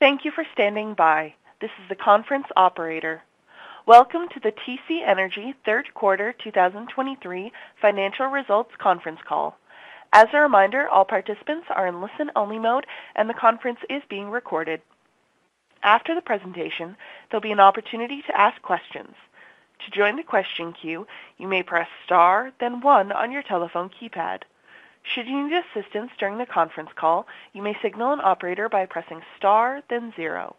Thank you for standing by. This is the conference operator. Welcome to the TC Energy Third Quarter 2023 Financial Results Conference Call. As a reminder, all participants are in listen-only mode, and the conference is being recorded. After the presentation, there'll be an opportunity to ask questions. To join the question queue, you may press Star, then one on your telephone keypad. Should you need assistance during the conference call, you may signal an operator by pressing Star, then zero.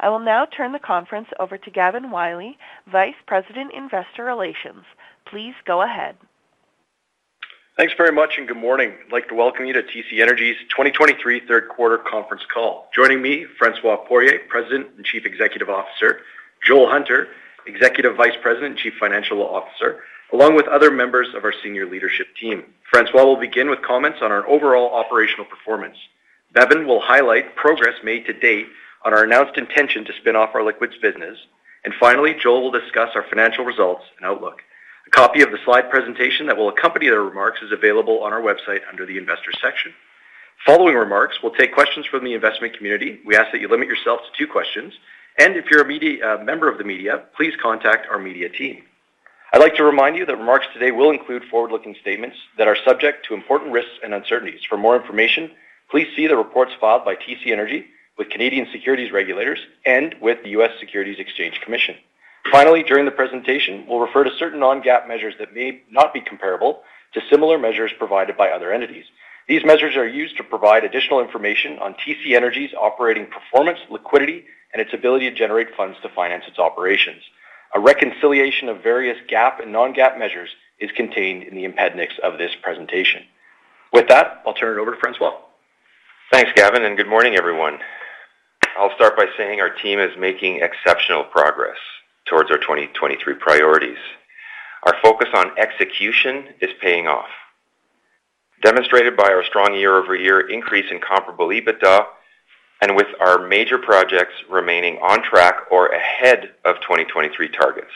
I will now turn the conference over to Gavin Wylie, Vice President, Investor Relations. Please go ahead. Thanks very much, and good morning. I'd like to welcome you to TC Energy's 2023 Third Quarter Conference Call. Joining me, François Poirier, President and Chief Executive Officer, Joel Hunter, Executive Vice President and Chief Financial Officer, along with other members of our senior leadership team. François will begin with comments on our overall operational performance. Bevin will highlight progress made to date on our announced intention to spin off our liquids business. And finally, Joel will discuss our financial results and outlook. A copy of the slide presentation that will accompany their remarks is available on our website under the Investor section. Following remarks, we'll take questions from the investment community. We ask that you limit yourself to two questions, and if you're a media, member of the media, please contact our media team. I'd like to remind you that remarks today will include forward-looking statements that are subject to important risks and uncertainties. For more information, please see the reports filed by TC Energy with Canadian securities regulators and with the U.S. Securities and Exchange Commission. Finally, during the presentation, we'll refer to certain non-GAAP measures that may not be comparable to similar measures provided by other entities. These measures are used to provide additional information on TC Energy's operating performance, liquidity, and its ability to generate funds to finance its operations. A reconciliation of various GAAP and non-GAAP measures is contained in the appendix of this presentation. With that, I'll turn it over to François. Thanks, Gavin, and good morning, everyone. I'll start by saying our team is making exceptional progress towards our 2023 priorities. Our focus on execution is paying off, demonstrated by our strong year-over-year increase in comparable EBITDA and with our major projects remaining on track or ahead of 2023 targets.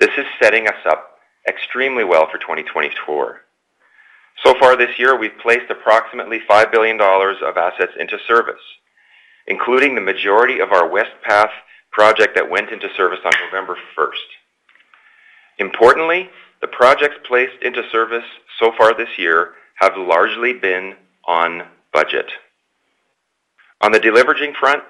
This is setting us up extremely well for 2024. So far this year, we've placed approximately 5 billion dollars of assets into service, including the majority of our West Path project that went into service on November first. Importantly, the projects placed into service so far this year have largely been on budget. On the deleveraging front,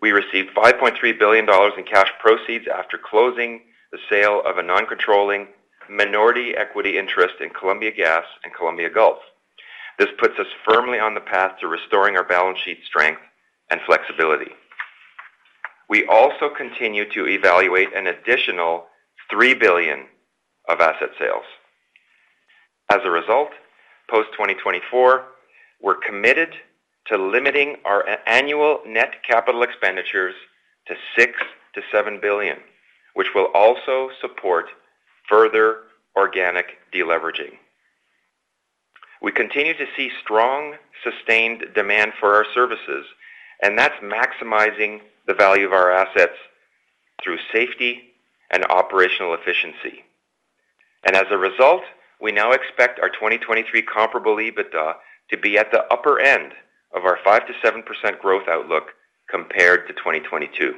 we received 5.3 billion dollars in cash proceeds after closing the sale of a non-controlling minority equity interest in Columbia Gas and Columbia Gulf. This puts us firmly on the path to restoring our balance sheet strength and flexibility. We also continue to evaluate an additional 3 billion of asset sales. As a result, post-2024, we're committed to limiting our annual net capital expenditures to 6 billion- 7 billion, which will also support further organic deleveraging. We continue to see strong, sustained demand for our services, and that's maximizing the value of our assets through safety and operational efficiency. As a result, we now expect our 2023 Comparable EBITDA to be at the upper-end of our 5%-7% growth outlook compared to 2022.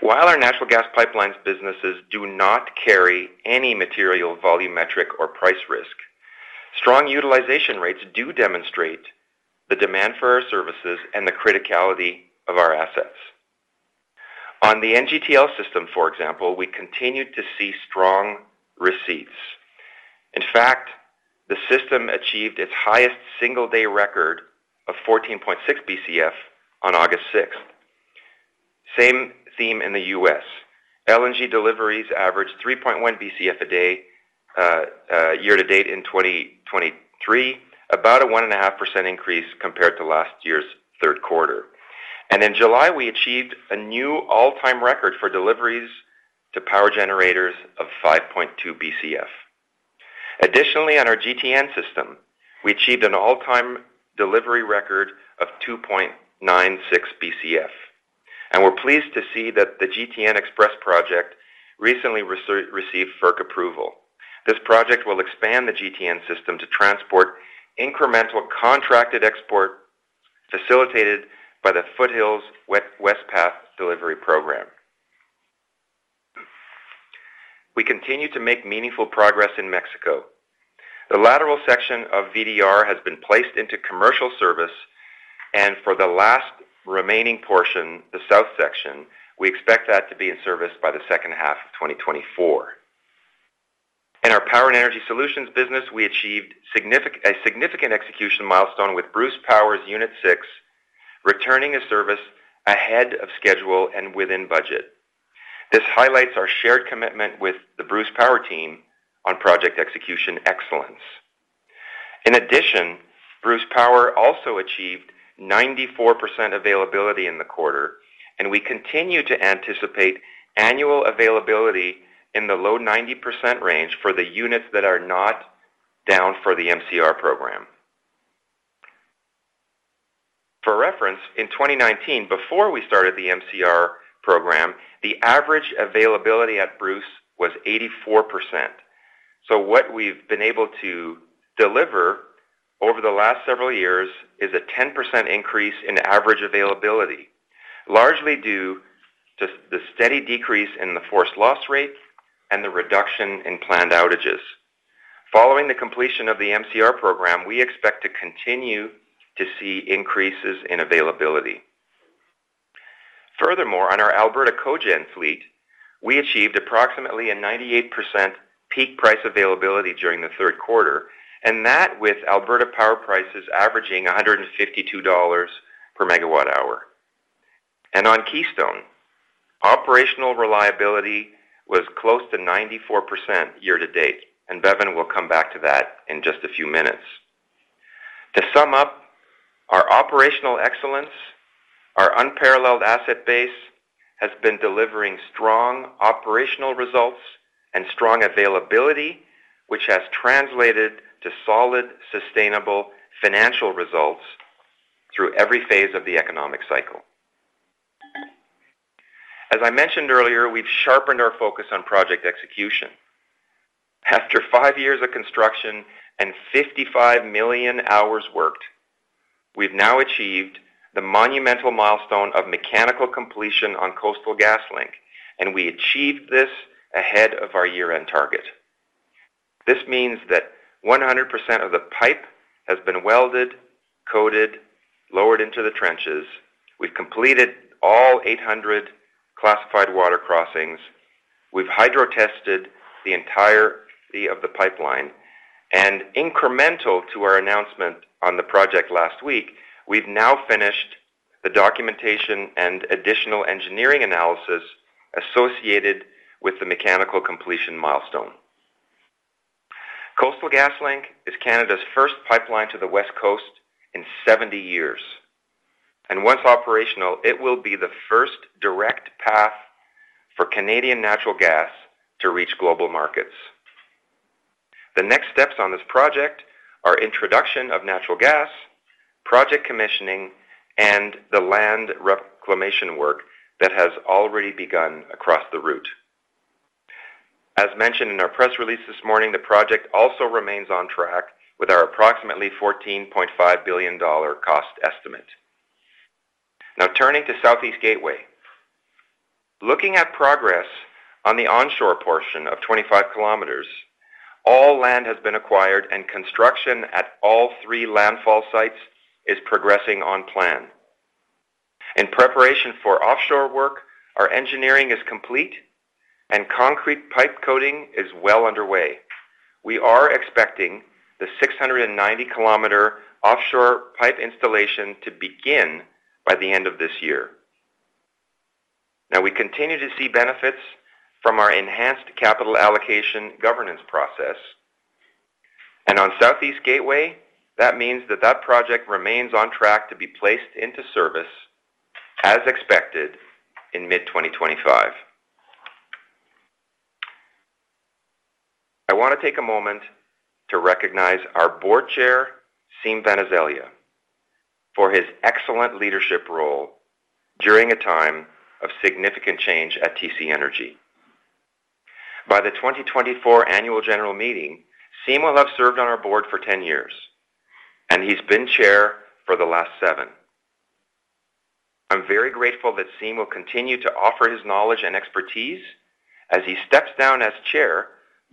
While our natural gas pipelines businesses do not carry any material volumetric or price risk, strong utilization rates do demonstrate the demand for our services and the criticality of our assets. On the NGTL System, for example, we continued to see strong receipts. In fact, the system achieved its highest single-day record of 14.6 BCF on August 6. Same theme in the U.S. LNG deliveries averaged 3.1 BCF a day, year-to-date in 2023, about a 1.5% increase compared to last year's third quarter. In July, we achieved a new all-time record for deliveries to power generators of 5.2 BCF. Additionally, on our GTN system, we achieved an all-time delivery record of 2.96 BCF, and we're pleased to see that the GTN XPress project recently received FERC approval. This project will expand the GTN system to transport incremental contracted export, facilitated by the Foothills West Path delivery program. We continue to make meaningful progress in Mexico. The lateral section of VDR has been placed into commercial service, and for the last remaining portion, the south section, we expect that to be in service by the second half of 2024. In our Power and Energy Solutions business, we achieved a significant execution milestone with Bruce Power's Unit 6, returning to service ahead of schedule and within budget. This highlights our shared commitment with the Bruce Power team on project execution excellence. In addition, Bruce Power also achieved 94% availability in the quarter, and we continue to anticipate annual availability in the low 90% range for the units that are not down for the MCR program. For reference, in 2019, before we started the MCR program, the average availability at Bruce was 84%.... So what we've been able to deliver over the last several years is a 10% increase in average availability, largely due to the steady decrease in the forced loss rate and the reduction in planned outages. Following the completion of the MCR program, we expect to continue to see increases in availability. Furthermore, on our Alberta Cogen fleet, we achieved approximately a 98% peak price availability during the third quarter, and that with Alberta power prices averaging 152 dollars per MW-hour. And on Keystone, operational reliability was close to 94% year-to-date, and Bevin will come back to that in just a few minutes. To sum up, our operational excellence, our unparalleled asset base, has been delivering strong operational results and strong availability, which has translated to solid, sustainable financial results through every phase of the economic cycle. As I mentioned earlier, we've sharpened our focus on project execution. After 5 years of construction and 55 million hours worked, we've now achieved the monumental milestone of mechanical completion on Coastal GasLink, and we achieved this ahead of our year-end target. This means that 100% of the pipe has been welded, coated, lowered into the trenches. We've completed all 800 classified water crossings. We've hydro-tested the entirety of the pipeline, and incremental to our announcement on the project last week, we've now finished the documentation and additional engineering analysis associated with the mechanical completion milestone. Coastal GasLink is Canada's first pipeline to the West Coast in 70 years, and once operational, it will be the first direct path for Canadian natural gas to reach global markets. The next steps on this project are introduction of natural gas, project commissioning, and the land reclamation work that has already begun across the route. As mentioned in our press release this morning, the project also remains on track with our approximately 14.5 billion dollar cost estimate. Now, turning to Southeast Gateway. Looking at progress on the onshore portion of 25 km, all land has been acquired and construction at all three landfall sites is progressing on plan. In preparation for offshore work, our engineering is complete and concrete pipe coating is well underway. We are expecting the 690 km offshore pipe installation to begin by the end of this year. Now, we continue to see benefits from our enhanced capital allocation governance process, and on Southeast Gateway, that means that that project remains on track to be placed into service, as expected, in mid-2025. I want to take a moment to recognize our Board Chair, Siim Vanaselja, for his excellent leadership role during a time of significant change at TC Energy. By the 2024 Annual General Meeting, Siim will have served on our board for 10 years, and he's been chair for the last 7. I'm very grateful that Siim will continue to offer his knowledge and expertise as he steps down as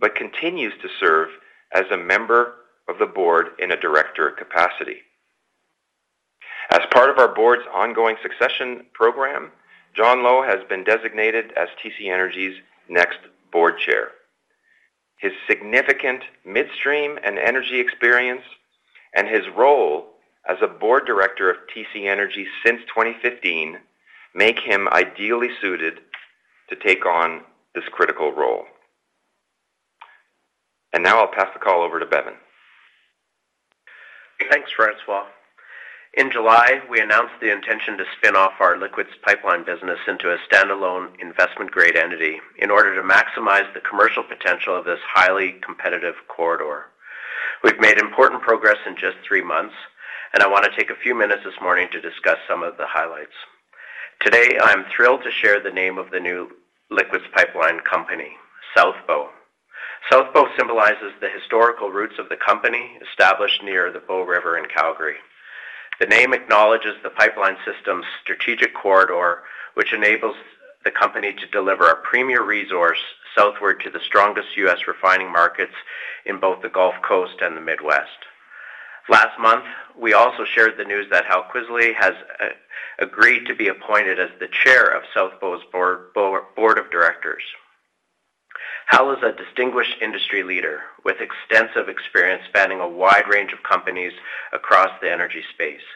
chair, but continues to serve as a member of the board in a director capacity. As part of our board's ongoing succession program, John Lowe has been designated as TC Energy's next Board Chair. His significant midstream and energy experience and his role as a board director of TC Energy since 2015 make him ideally suited to take on this critical role. Now I'll pass the call over to Bevin. Thanks, François. In July, we announced the intention to spin off our liquids pipeline business into a standalone investment-grade entity in order to maximize the commercial potential of this highly competitive corridor. We've made important progress in just three months, and I wanna take a few minutes this morning to discuss some of the highlights. Today, I'm thrilled to share the name of the new Liquids Pipeline company, South Bow. South Bow symbolizes the historical roots of the company, established near the Bow River in Calgary. The name acknowledges the pipeline system's strategic corridor, which enables the company to deliver a premier-resource southward to the strongest U.S. refining markets in both the Gulf Coast and the Midwest. Last month, we also shared the news that Hal Kvisle has agreed to be appointed as the Chair of South Bow's Board of Directors. Hal is a distinguished industry leader with extensive experience spanning a wide range of companies across the energy space.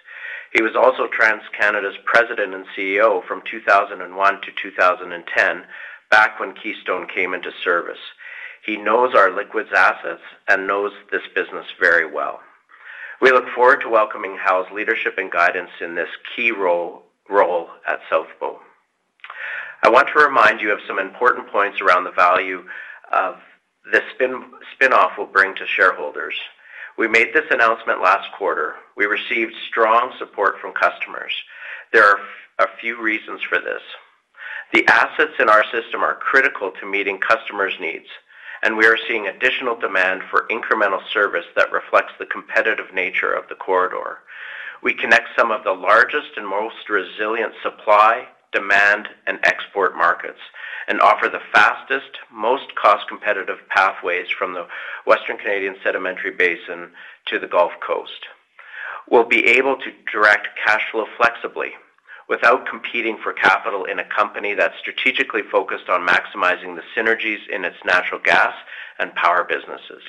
He was also TransCanada's President and CEO from 2001 to 2010, back when Keystone came into service. He knows our liquids assets and knows this business very well. We look forward to welcoming Hal's leadership and guidance in this key role at South Bow. I want to remind you of some important points around the value of the spin-off will bring to shareholders. We made this announcement last quarter. We received strong support from customers. There are a few reasons for this. The assets in our system are critical to meeting customers' needs, and we are seeing additional demand for incremental service that reflects the competitive nature of the corridor. We connect some of the largest and most resilient supply, demand, and export markets, and offer the fastest, most cost-competitive pathways from the Western Canadian Sedimentary Basin to the Gulf Coast. We'll be able to direct cash flow flexibly without competing for capital in a company that's strategically focused on maximizing the synergies in its natural gas and power businesses.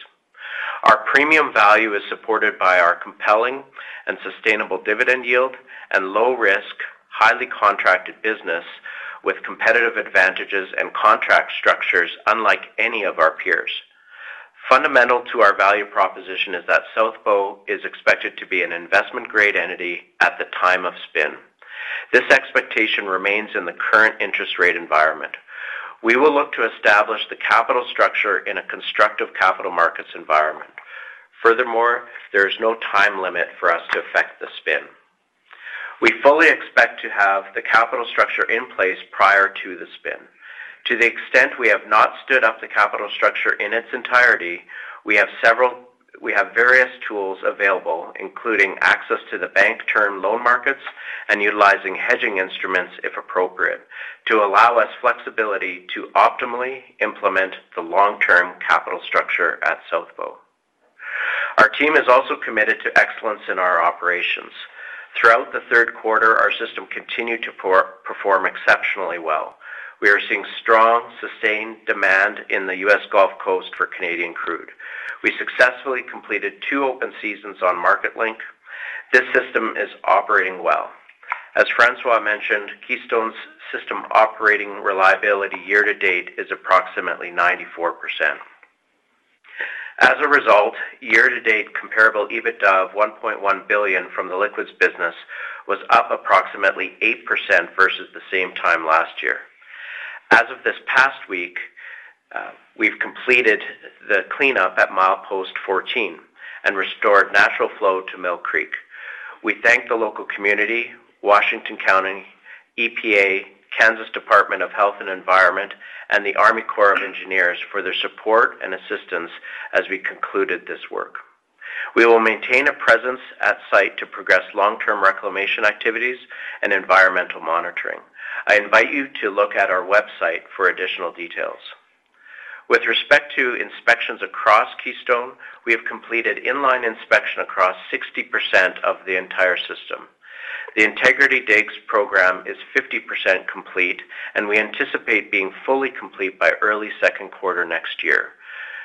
Our premium value is supported by our compelling and sustainable dividend yield and low-risk, highly contracted business, with competitive advantages and contract structures unlike any of our peers. Fundamental to our value proposition is that South Bow is expected to be an investment-grade entity at the time of spin. This expectation remains in the current interest rate environment. We will look to establish the capital structure in a constructive capital markets environment. Furthermore, there is no time limit for us to affect the spin. We fully expect to have the capital structure in place prior to the spin. To the extent we have not stood up the capital structure in its entirety, we have various tools available, including access to the bank term loan markets and utilizing hedging instruments, if appropriate, to allow us flexibility to optimally implement the long-term capital structure at South Bow. Our team is also committed to excellence in our operations. Throughout the third quarter, our system continued to perform exceptionally well. We are seeing strong, sustained demand in the U.S. Gulf Coast for Canadian crude. We successfully completed 2 open seasons on Marketlink. This system is operating well. As François mentioned, Keystone's system operating reliability year-to-date is approximately 94%. As a result, year-to-date comparable EBITDA of 1.1 billion from the liquids business was up approximately 8% versus the same time last year. As of this past week, we've completed the cleanup at Milepost 14 and restored natural flow to Mill Creek. We thank the local community, Washington County, EPA, Kansas Department of Health and Environment, and the Army Corps of Engineers for their support and assistance as we concluded this work. We will maintain a presence at site to progress long-term reclamation activities and environmental monitoring. I invite you to look at our website for additional details. With respect to inspections across Keystone, we have completed in-line inspection across 60% of the entire system. The integrity digs program is 50% complete, and we anticipate being fully complete by early second quarter next year.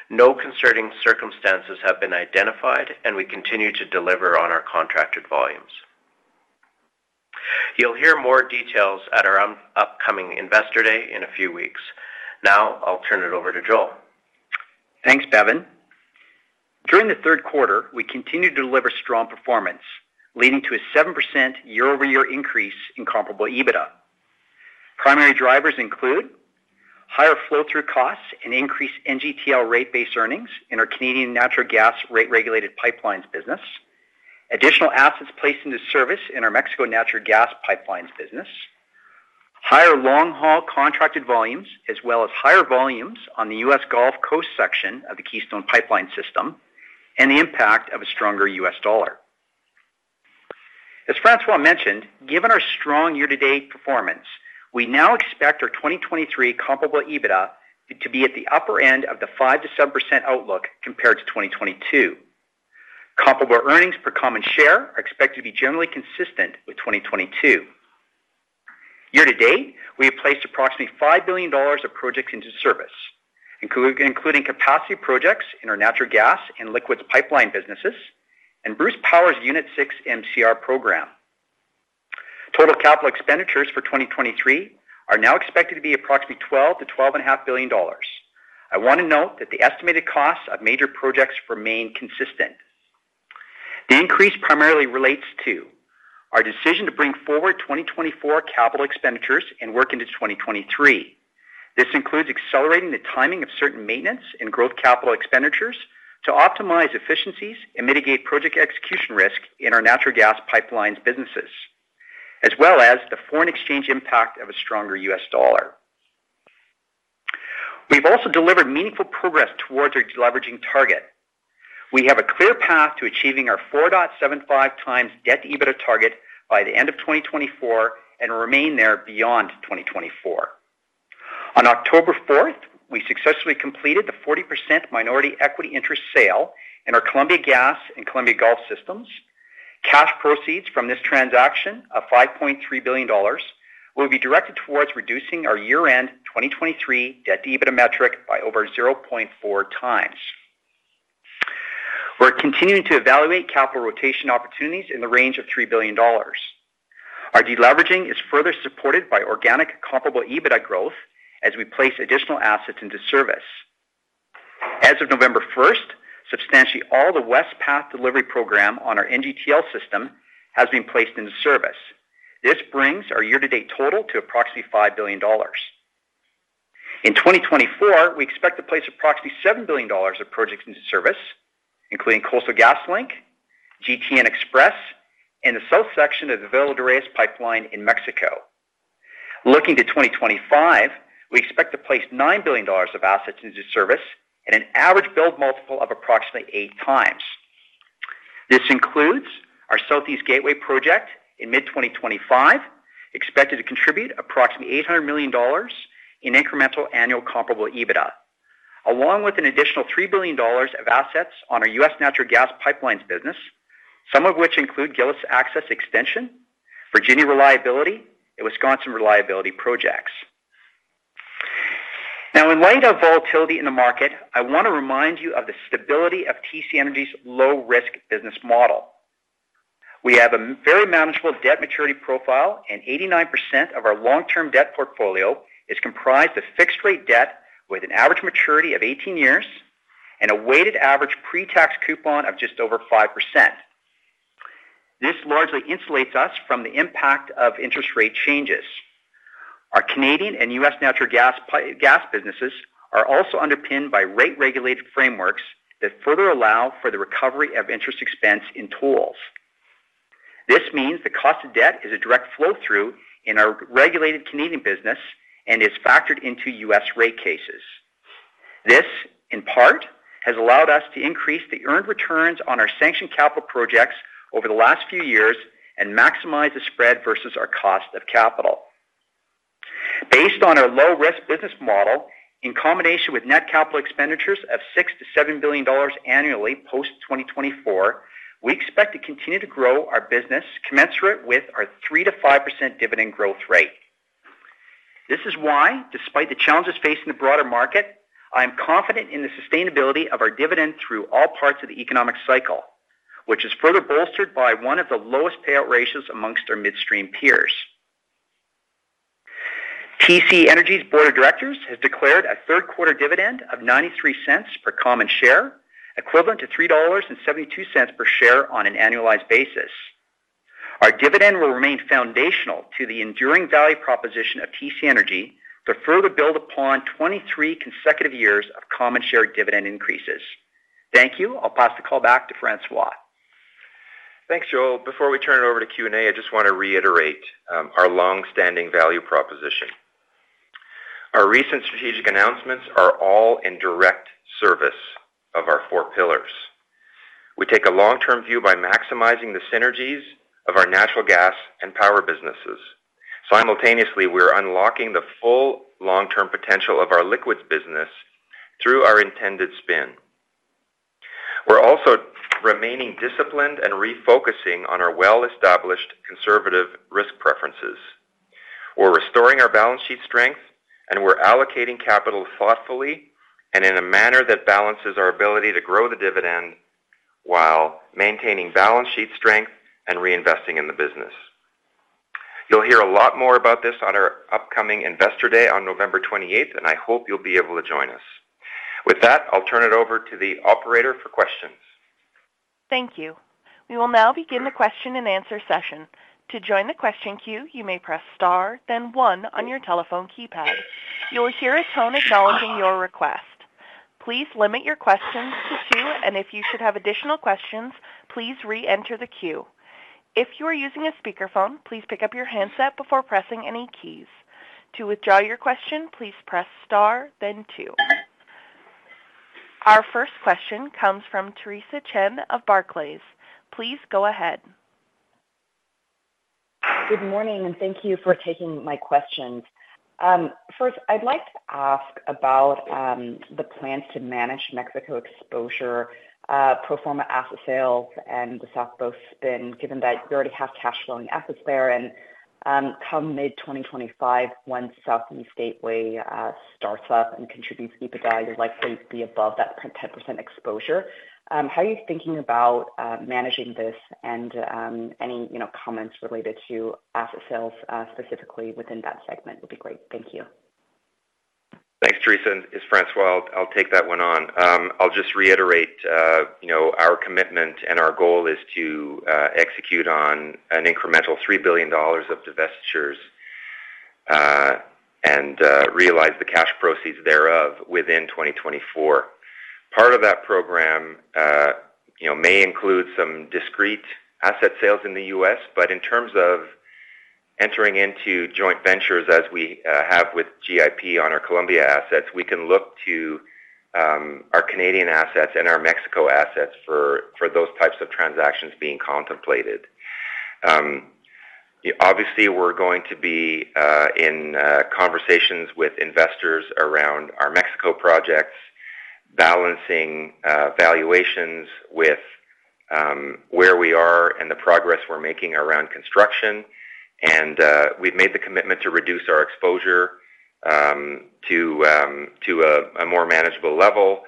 No concerning circumstances have been identified, and we continue to deliver on our contracted volumes. You'll hear more details at our upcoming Investor Day in a few weeks. Now I'll turn it over to Joel. Thanks, Bevin. During the third quarter, we continued to deliver strong performance, leading to a 7% year-over-year increase in comparable EBITDA. Primary drivers include higher flow-through costs and increased NGTL rate-based earnings in our Canadian natural gas rate-regulated pipelines business, additional assets placed into service in our Mexico natural gas pipelines business, higher long-haul contracted volumes, as well as higher volumes on the U.S. Gulf Coast section of the Keystone Pipeline system, and the impact of a stronger U.S. dollar. As François mentioned, given our strong year-to-date performance, we now expect our 2023 comparable EBITDA to be at the upper end of the 5%-7% outlook compared to 2022. Comparable earnings per common share are expected to be generally consistent with 2022. Year-to-date, we have placed approximately 5 billion dollars of projects into service, including capacity projects in our natural gas and liquids pipeline businesses and Bruce Power's Unit 6 MCR program. Total capital expenditures for 2023 are now expected to be approximately 12 billion-12.5 billion dollars. I want to note that the estimated costs of major projects remain consistent. The increase primarily relates to our decision to bring forward 2024 capital expenditures and work into 2023. This includes accelerating the timing of certain maintenance and growth capital expenditures to optimize efficiencies and mitigate project execution risk in our natural gas pipelines businesses, as well as the foreign exchange impact of a stronger U.S. dollar. We've also delivered meaningful progress towards our deleveraging target. We have a clear path to achieving our 4.75x debt-to-EBITDA target by the end of 2024 and remain there beyond 2024. On October 4, we successfully completed the 40% minority equity interest sale in our Columbia Gas and Columbia Gulf systems. Cash proceeds from this transaction of $5.3 billion will be directed towards reducing our year-end 2023 debt-to-EBITDA metric by over 0.4 times. We're continuing to evaluate capital rotation opportunities in the range of $3 billion. Our deleveraging is further supported by organic comparable EBITDA growth as we place additional assets into service. As of November 1st, substantially all the West Path delivery program on our NGTL System has been placed into service. This brings our year-to-date total to approximately $5 billion. In 2024, we expect to place approximately $7 billion of projects into service, including Coastal GasLink, GTN XPress, and the south section of the Villa de Reyes pipeline in Mexico. Looking to 2025, we expect to place $9 billion of assets into service at an average build multiple of approximately 8x. This includes our Southeast Gateway project in mid-2025, expected to contribute approximately $800 million in incremental annual Comparable EBITDA, along with an additional $3 billion of assets on our U.S. natural gas pipelines business, some of which include Gillis Access Extension, Virginia Reliability, and Wisconsin Reliability projects. Now, in light of volatility in the market, I want to remind you of the stability of TC Energy's low-risk business model. We have a very manageable debt maturity profile, and 89% of our long-term debt portfolio is comprised of fixed-rate debt with an average maturity of 18 years and a weighted average pretax coupon of just over 5%. This largely insulates us from the impact of interest rate changes. Our Canadian and U.S. natural gas pipeline businesses are also underpinned by rate-regulated frameworks that further allow for the recovery of interest expense in tolls. This means the cost of debt is a direct flow-through in our regulated Canadian business and is factored into U.S. rate cases. This, in part, has allowed us to increase the earned returns on our sanctioned capital projects over the last few years and maximize the spread versus our cost of capital. Based on our low-risk business model, in combination with net capital expenditures of 6 billion-7 billion dollars annually post-2024, we expect to continue to grow our business commensurate with our 3%-5% dividend growth rate. This is why, despite the challenges faced in the broader market, I am confident in the sustainability of our dividend through all parts of the economic cycle, which is further bolstered by one of the lowest payout ratios amongst our midstream peers. TC Energy's board of directors has declared a third-quarter dividend of 0.93 per common share, equivalent to 3.72 dollars per share on an annualized basis. Our dividend will remain foundational to the enduring value proposition of TC Energy to further build upon 23 consecutive years of common share dividend increases. Thank you. I'll pass the call back to François. Thanks, Joel. Before we turn it over to Q&A, I just want to reiterate our long-standing value proposition. Our recent strategic announcements are all in direct service of our four pillars. We take a long-term view by maximizing the synergies of our natural gas and power businesses. Simultaneously, we are unlocking the full long-term potential of our liquids business through our intended spin. We're also remaining disciplined and refocusing on our well-established conservative risk preferences. We're restoring our balance sheet strength, and we're allocating capital thoughtfully and in a manner that balances our ability to grow the dividend while maintaining balance sheet strength and reinvesting in the business. You'll hear a lot more about this on our upcoming Investor Day on November 28th, and I hope you'll be able to join us. With that, I'll turn it over to the operator for questions. Thank you. We will now begin the question-and-answer session. To join the question queue, you may press Star, then One on your telephone keypad. You will hear a tone acknowledging your request. Please limit your questions to two, and if you should have additional questions, please reenter the queue. If you are using a speakerphone, please pick up your handset before pressing any keys. To withdraw your question, please press Star then Two. Our first question comes from Theresa Chen of Barclays. Please go ahead. Good morning, and thank you for taking my questions. First, I'd like to ask about the plans to manage Mexico exposure, pro-forma asset sales, and the South Bow spin, given that you already have cash flowing assets there, and come mid-2025, once Southeast Gateway starts up and contributes EBITDA, you're likely to be above that 10% exposure. How are you thinking about managing this and any, you know, comments related to asset sales, specifically within that segment would be great. Thank you. Thanks, Teresa. It's François. I'll take that one on. I'll just reiterate, you know, our commitment and our goal is to execute on an incremental 3 billion dollars of divestitures, and realize the cash proceeds thereof within 2024. Part of that program, you know, may include some discrete asset sales in the U.S., but in terms of entering into joint ventures, as we have with GIP on our Columbia assets, we can look to our Canadian assets and our Mexico assets for those types of transactions being contemplated. Obviously, we're going to be in conversations with investors around our Mexico projects, balancing valuations with where we are and the progress we're making around construction. And we've made the commitment to reduce our exposure to a more manageable level.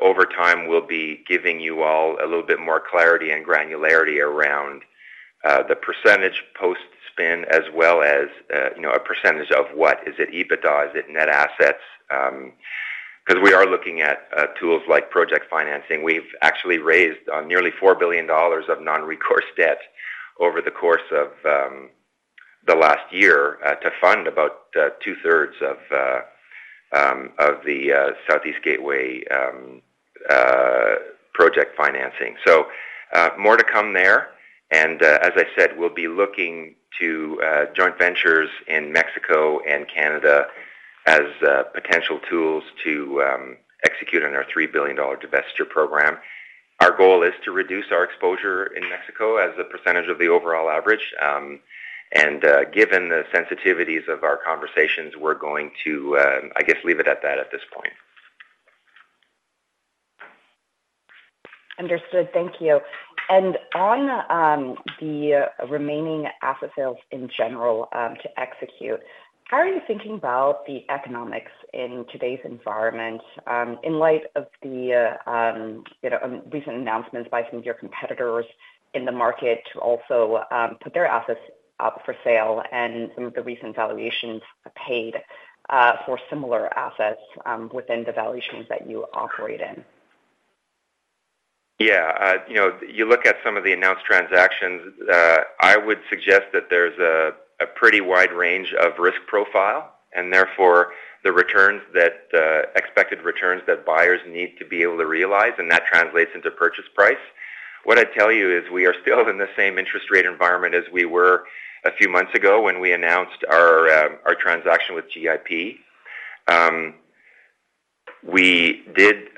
Over time, we'll be giving you all a little bit more clarity and granularity around the percentage post-spin, as well as, you know, a percentage of what. Is it EBITDA? Is it net assets? 'Cause we are looking at tools like project financing. We've actually raised nearly $4 billion of non-recourse debt over the course of the last year to fund about 2/3 of the Southeast Gateway project financing. So, more to come there, and as I said, we'll be looking to joint ventures in Mexico and Canada as potential tools to execute on our $3 billion divestiture program. Our goal is to reduce our exposure in Mexico as a percentage of the overall average. Given the sensitivities of our conversations, we're going to, I guess, leave it at that at this point. Understood. Thank you. And on the remaining asset sales in general to execute, how are you thinking about the economics in today's environment in light of the you know recent announcements by some of your competitors in the market to also put their assets up for sale and some of the recent valuations paid for similar assets within the valuations that you operate in? Yeah, you know, you look at some of the announced transactions. I would suggest that there's a pretty wide range of risk profile, and therefore, the expected returns that buyers need to be able to realize, and that translates into purchase price. What I'd tell you is we are still in the same interest rate environment as we were a few months ago when we announced our transaction with GIP. We did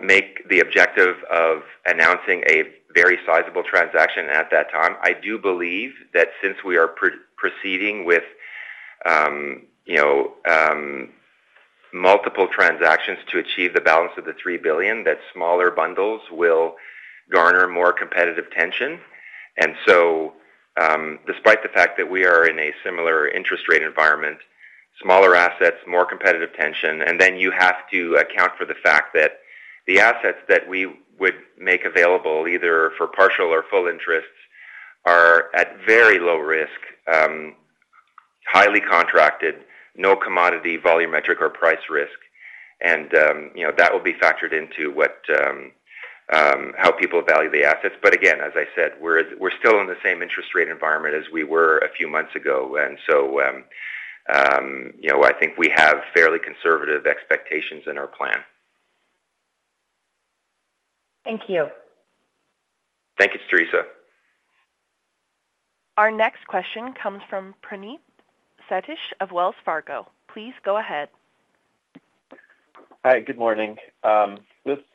make the objective of announcing a very sizable transaction at that time. I do believe that since we are proceeding with multiple transactions to achieve the balance of the $3 billion, that smaller bundles will garner more competitive tension. And so, despite the fact that we are in a similar interest rate environment, smaller assets, more competitive tension, and then you have to account for the fact that the assets that we would make available, either for partial or full interests, are at very low risk, highly contracted, no commodity, volumetric, or price risk. And, you know, that will be factored into what, how people value the assets. But again, as I said, we're, we're still in the same interest rate environment as we were a few months ago, and so, you know, I think we have fairly conservative expectations in our plan. Thank you. Thank you, Theresa. Our next question comes from Praneeth Satish of Wells Fargo. Please go ahead. Hi, good morning.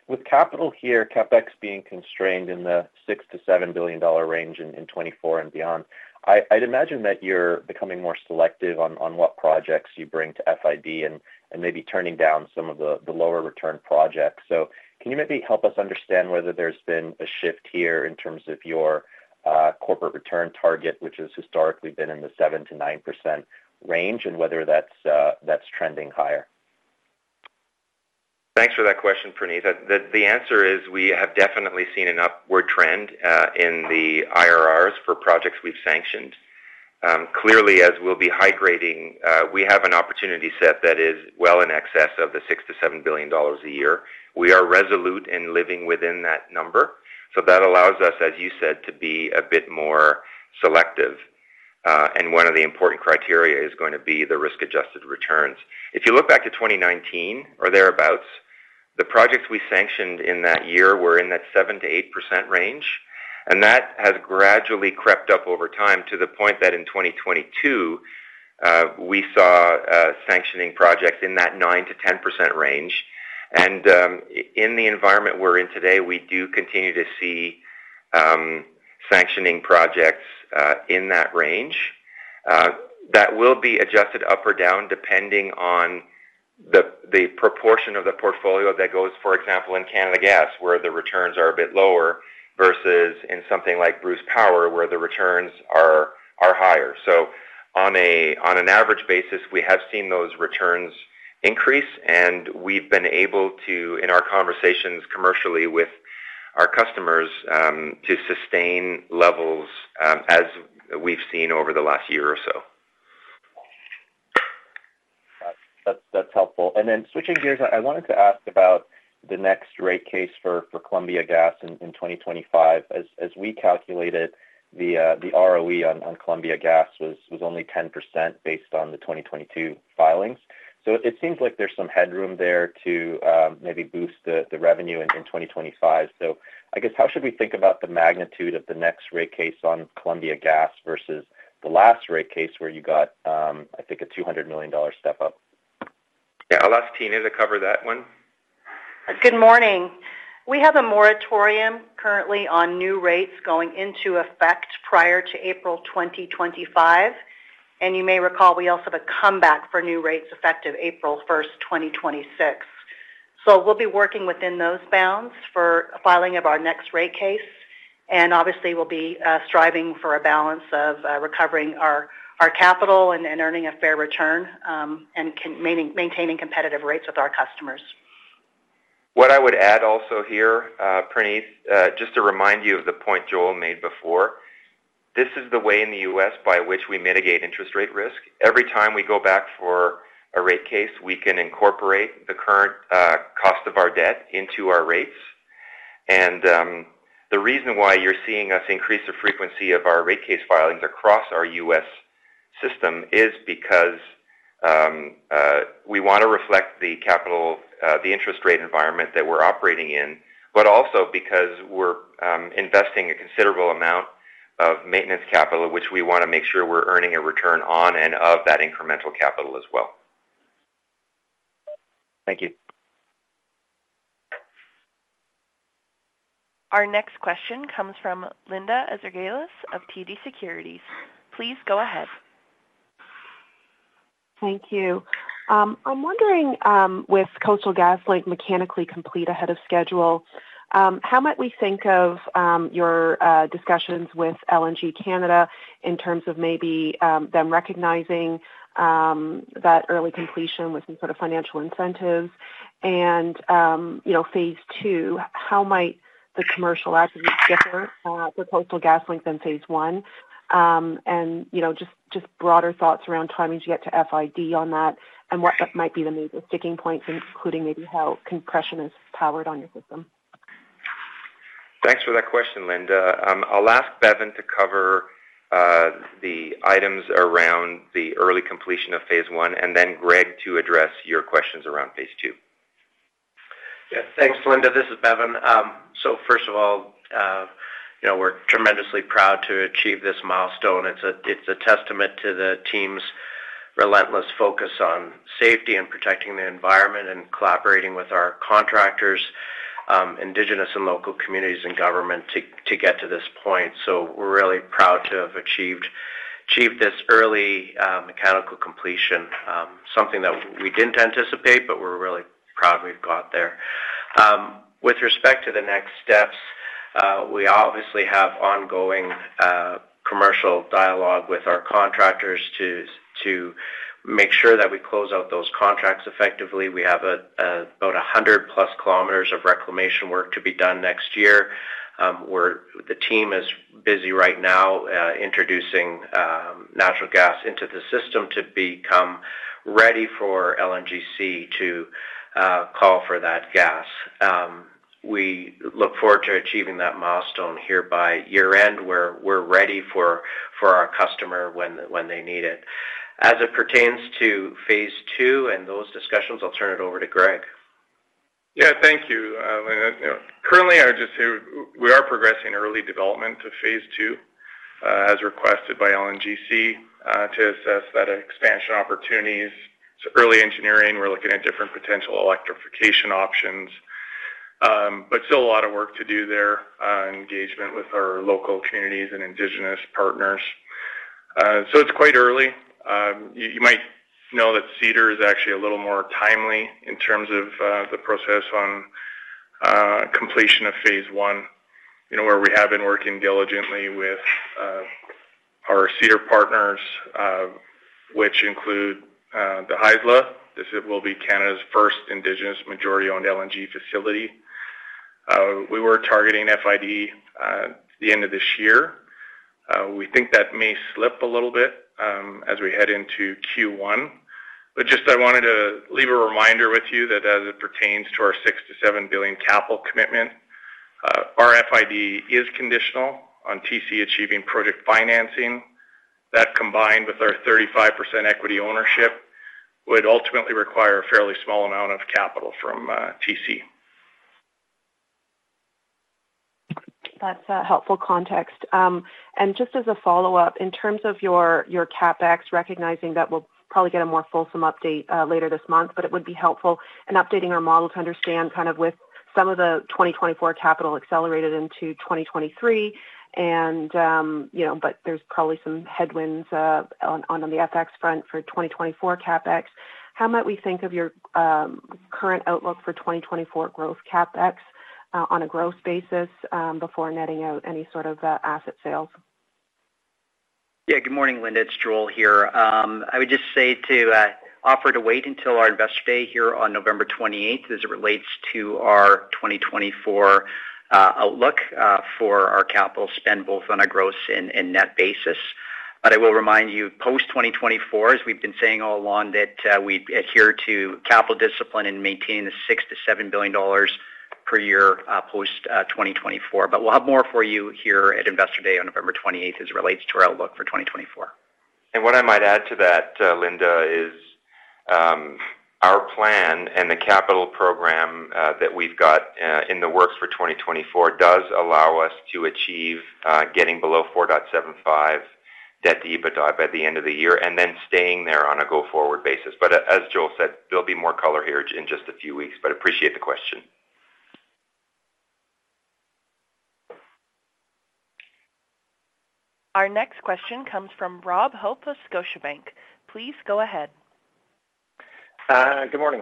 With capital here, CapEx being constrained in the 6 billion-7 billion dollar range in 2024 and beyond, I'd imagine that you're becoming more selective on what projects you bring to FID and maybe turning down some of the lower return projects. So can you maybe help us understand whether there's been a shift here in terms of your corporate return target, which has historically been in the 7%-9% range, and whether that's trending higher? Thanks for that question, Praneeth. The answer is, we have definitely seen an upward trend in the IRRs for projects we've sanctioned. Clearly, as we'll be high grading, we have an opportunity set that is well in excess of the $6-$7 billion a year. We are resolute in living within that number, so that allows us, as you said, to be a bit more selective. And one of the important criteria is going to be the risk-adjusted returns. If you look back to 2019 or thereabout, the projects we sanctioned in that year were in that 7%-8% range, and that has gradually crept up over time to the point that in 2022, we saw sanctioning projects in that 9%-10% range. In the environment we're in today, we do continue to see sanctioning projects in that range. That will be adjusted up or down, depending on the proportion of the portfolio that goes, for example, in Canada Gas, where the returns are a bit lower, versus in something like Bruce Power, where the returns are higher. So on an average basis, we have seen those returns increase, and we've been able to, in our conversations commercially with our customers, to sustain levels as we've seen over the last year or so. That's, that's helpful. And then switching gears, I wanted to ask about the next rate case for Columbia Gas in 2025. As we calculated, the ROE on Columbia Gas was only 10% based on the 2022 filings. So it seems like there's some headroom there to maybe boost the revenue in 2025. So I guess, how should we think about the magnitude of the next rate case on Columbia Gas versus the last rate case, where you got, I think a $200 million step up? Yeah. I'll ask Tina to cover that one. Good morning. We have a moratorium currently on new rates going into effect prior to April 2025, and you may recall we also have a comeback for new rates effective April 1st, 2026. So we'll be working within those bounds for filing of our next rate case, and obviously, we'll be striving for a balance of recovering our capital and earning a fair return, and maintaining competitive rates with our customers.... I would add also here, Praneeth, just to remind you of the point Joel made before, this is the way in the U.S. by which we mitigate interest rate risk. Every time we go back for a rate case, we can incorporate the current, cost of our debt into our rates. The reason why you're seeing us increase the frequency of our rate case filings across our U.S. system is because, we want to reflect the capital, the interest rate environment that we're operating in, but also because we're investing a considerable amount of maintenance capital, which we want to make sure we're earning a return on and of that incremental capital as well. Thank you. Our next question comes from Linda Ezergailis of TD Securities. Please go ahead. Thank you. I'm wondering, with Coastal GasLink mechanically complete ahead of schedule, how might we think of, your, discussions with LNG Canada in terms of maybe, them recognizing, that early completion with some sort of financial incentives? And, you know, phase II, how might the commercial activity differ, with Coastal GasLink than phase I? And, you know, just, just broader thoughts around timing as you get to FID on that and what might be the major sticking points, including maybe how compression is powered on your system. Thanks for that question, Linda. I'll ask Bevin to cover the items around the early completion of phase I, and then Greg to address your questions around phase II. Yeah. Thanks, Linda. This is Bevin. So first of all, you know, we're tremendously proud to achieve this milestone. It's a testament to the team's relentless focus on safety and protecting the environment and collaborating with our contractors, Indigenous and local communities and government to get to this point. So we're really proud to have achieved this early mechanical completion. Something that we didn't anticipate, but we're really proud we've got there. With respect to the next steps, we obviously have ongoing commercial dialogue with our contractors to make sure that we close out those contracts effectively. We have about 100+ km of reclamation work to be done next year. The team is busy right now, introducing natural gas into the system to become ready for LNG Canada to call for that gas. We look forward to achieving that milestone here by year-end, where we're ready for our customer when they need it. As it pertains to phase II and those discussions, I'll turn it over to Greg. Yeah, thank you. You know, currently, I would just say we are progressing early development of phase II, as requested by LNGC, to assess that expansion opportunities. So early engineering, we're looking at different potential electrification options, but still a lot of work to do there, engagement with our local communities and Indigenous partners. So it's quite early. You might know that Cedar is actually a little more timely in terms of, the process on, completion of phase I, you know, where we have been working diligently with, our Cedar partners, which include, the Haisla. This will be Canada's first Indigenous majority-owned LNG facility. We were targeting FID, the end of this year. We think that may slip a little bit, as we head into Q1. Just I wanted to leave a reminder with you that as it pertains to our 6 billion-7 billion capital commitment, our FID is conditional on TC achieving project financing. That, combined with our 35% equity ownership, would ultimately require a fairly small amount of capital from TC. That's a helpful context. And just as a follow-up, in terms of your, your CapEx, recognizing that we'll probably get a more fulsome update later this month, but it would be helpful in updating our model to understand kind of with some of the 2024 capital accelerated into 2023, and you know, but there's probably some headwinds on, on the FX front for 2024 CapEx. How might we think of your current outlook for 2024 growth CapEx on a growth basis before netting out any sort of asset sales? Yeah. Good morning, Linda, it's Joel here. I would just say to offer to wait until our Investor Day here on November 28th, as it relates to our 2024 outlook for our capital spend, both on a gross and net basis. But I will remind you, post-2024, as we've been saying all along, that we adhere to capital discipline and maintain 6 billion-7 billion dollars per year post-2024. But we'll have more for you here at Investor Day on November 28th, as it relates to our outlook for 2024. What I might add to that, Linda, is our plan and the capital program that we've got in the works for 2024 does allow us to achieve getting below 4.75 debt-to-EBITDA by the end of the year, and then staying there on a go-forward basis. As Joel said, there'll be more color here in just a few weeks, but appreciate the question. Our next question comes from Rob Hope of Scotiabank. Please go ahead. Good morning.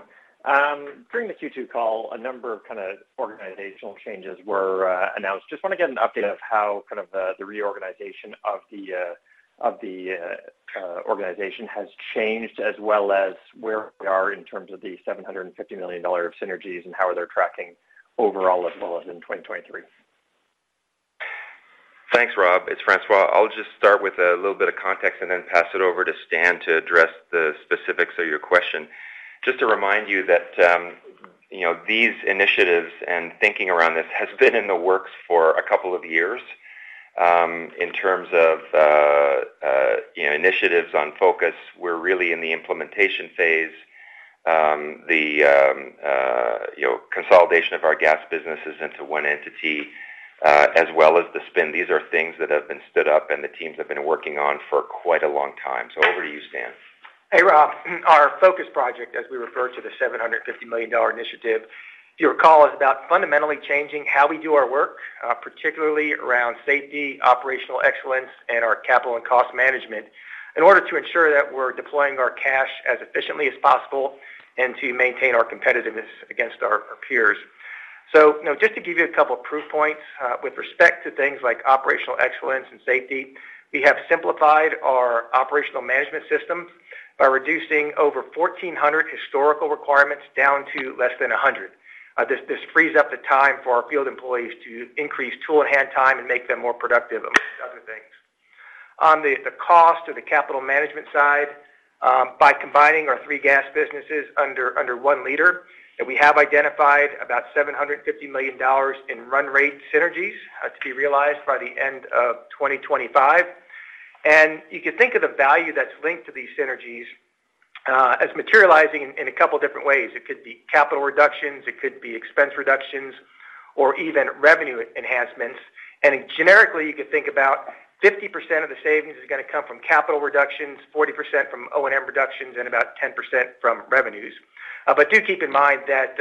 During the Q2 call, a number of kind of organizational changes were announced. Just want to get an update of how kind of the reorganization of the organization has changed, as well as where we are in terms of the 750 million dollar of synergies and how they're tracking overall, as well as in 2023? ... Thanks, Rob. It's François. I'll just start with a little bit of context and then pass it over to Stan to address the specifics of your question. Just to remind you that, you know, these initiatives and thinking around this has been in the works for a couple of years. In terms of, you know, initiatives on Focus, we're really in the implementation phase. The, you know, consolidation of our gas businesses into one entity, as well as the spin. These are things that have been stood up and the teams have been working on for quite a long time. So over to you, Stan. Hey, Rob. Our Focus project, as we refer to the $750 million initiative, if you recall, is about fundamentally changing how we do our work, particularly around safety, operational excellence, and our capital and cost management, in order to ensure that we're deploying our cash as efficiently as possible and to maintain our competitiveness against our, our peers. So, you know, just to give you a couple of proof points, with respect to things like operational excellence and safety, we have simplified our operational management system by reducing over 1,400 historical requirements down to less than 100. This frees up the time for our field employees to increase tool-in-hand time and make them more productive, among other things. On the cost of the capital management side, by combining our three gas businesses under one leader, and we have identified about 750 million dollars in run rate synergies to be realized by the end of 2025. You can think of the value that's linked to these synergies as materializing in a couple of different ways. It could be capital reductions, it could be expense reductions, or even revenue enhancements. Generically, you could think about 50% of the savings is gonna come from capital reductions, 40% from O&M reductions, and about 10% from revenues. But do keep in mind that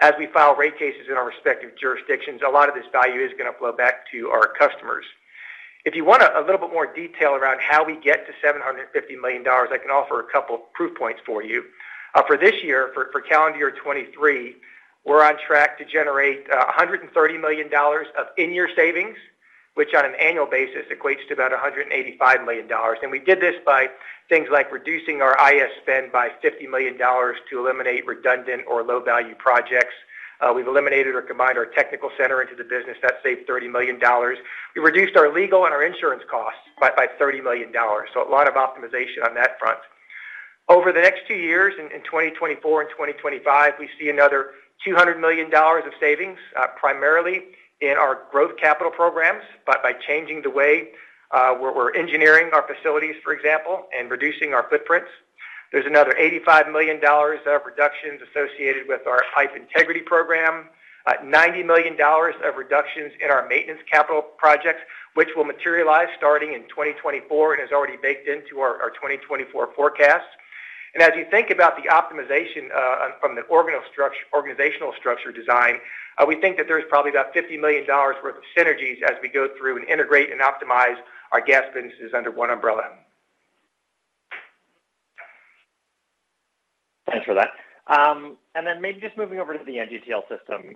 as we file rate cases in our respective jurisdictions, a lot of this value is gonna flow back to our customers. If you want a little bit more detail around how we get to 750 million dollars, I can offer a couple of proof points for you. For this year, for calendar year 2023, we're on track to generate 130 million dollars of in-year savings, which on an annual basis equates to about 185 million dollars. And we did this by things like reducing our IS spend by 50 million dollars to eliminate redundant or low-value projects. We've eliminated or combined our technical center into the business. That saved 30 million dollars. We reduced our legal and our insurance costs by 30 million dollars, so a lot of optimization on that front. Over the next 2 years, in 2024 and 2025, we see another 200 million dollars of savings, primarily in our growth capital programs, by changing the way we're engineering our facilities, for example, and reducing our footprints. There's another 85 million dollars of reductions associated with our pipe integrity program, 90 million dollars of reductions in our maintenance capital projects, which will materialize starting in 2024 and is already baked into our 2024 forecast. As you think about the optimization on the organizational structure design, we think that there's probably about 50 million dollars worth of synergies as we go through and integrate and optimize our gas businesses under one umbrella. Thanks for that. And then maybe just moving over to the NGTL System.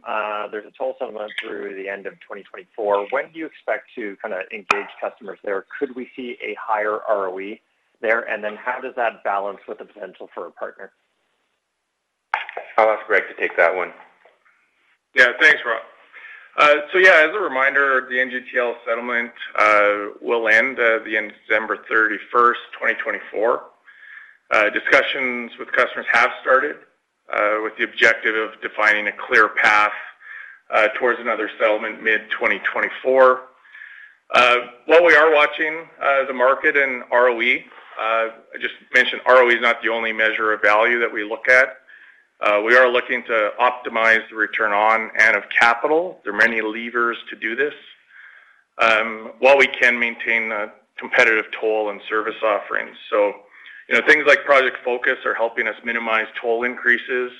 There's a toll settlement through the end of 2024. When do you expect to kind of engage customers there? Could we see a higher ROE there? And then how does that balance with the potential for a partner? I'll ask Greg to take that one. Yeah. Thanks, Rob. So yeah, as a reminder, the NGTL settlement will end at the end of December 31st, 2024. Discussions with customers have started with the objective of defining a clear path towards another settlement mid-2024. While we are watching the market and ROE, I just mentioned ROE is not the only measure of value that we look at. We are looking to optimize the return on and of capital. There are many levers to do this while we can maintain a competitive toll and service offerings. So, you know, things like Project Focus are helping us minimize toll increases,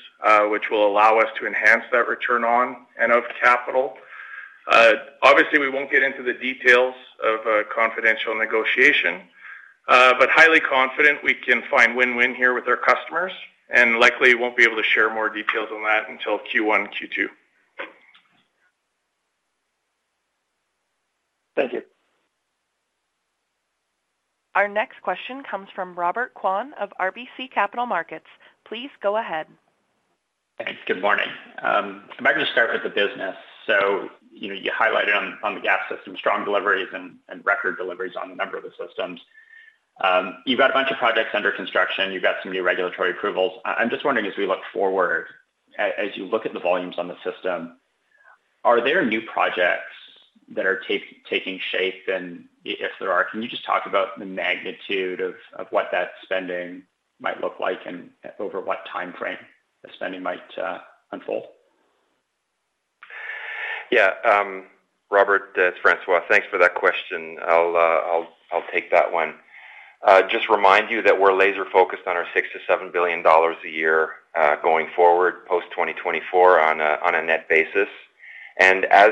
which will allow us to enhance that return on and of capital. Obviously, we won't get into the details of a confidential negotiation, but highly confident we can find win-win here with our customers, and likely won't be able to share more details on that until Q1, Q2. Thank you. Our next question comes from Robert Kwan of RBC Capital Markets. Please go ahead. Thanks. Good morning. I'm going to start with the business. So, you know, you highlighted on, on the gas system, strong deliveries and, and record deliveries on a number of the systems. You've got a bunch of projects under construction, you've got some new regulatory approvals. I'm just wondering, as we look forward, as you look at the volumes on the system, are there new projects that are taking shape? And if there are, can you just talk about the magnitude of, of what that spending might look like and over what timeframe the spending might unfold? Yeah, Robert, it's François. Thanks for that question. I'll, I'll, I'll take that one. Just remind you that we're laser-focused on our 6-7 billion dollars a year, going forward, post-2024 on a, on a net basis. And as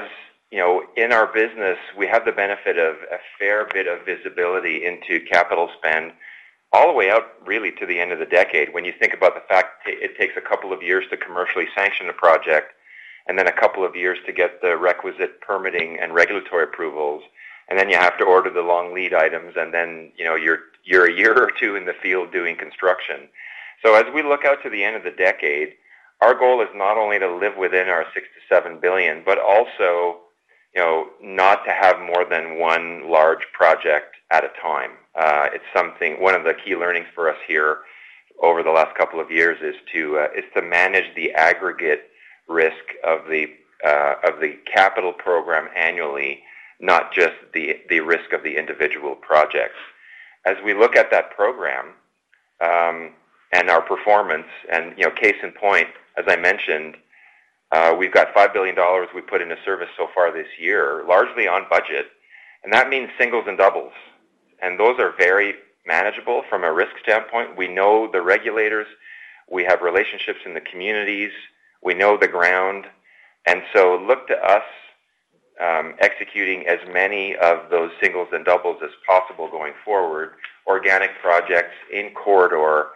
you know, in our business, we have the benefit of a fair bit of visibility into capital spend all the way out, really, to the end of the decade. When you think about the fact it takes a couple of years to commercially sanction a project, and then a couple of years to get the requisite permitting and regulatory approvals, and then you have to order the long lead items, and then, you know, you're, you're a year or two in the field doing construction. So as we look out to the end of the decade, our goal is not only to live within our 6 billion - 7 billion, but also, you know, not to have more than one large project at a time. It's something. One of the key learnings for us here over the last couple of years is to manage the aggregate risk of the capital program annually, not just the risk of the individual projects. As we look at that program, and our performance, and, you know, case in point, as I mentioned, we've got $5 billion we put into service so far this year, largely on budget, and that means singles and doubles. And those are very manageable from a risk standpoint. We know the regulators, we have relationships in the communities, we know the ground. So look to us executing as many of those singles and doubles as possible going forward, organic projects in corridor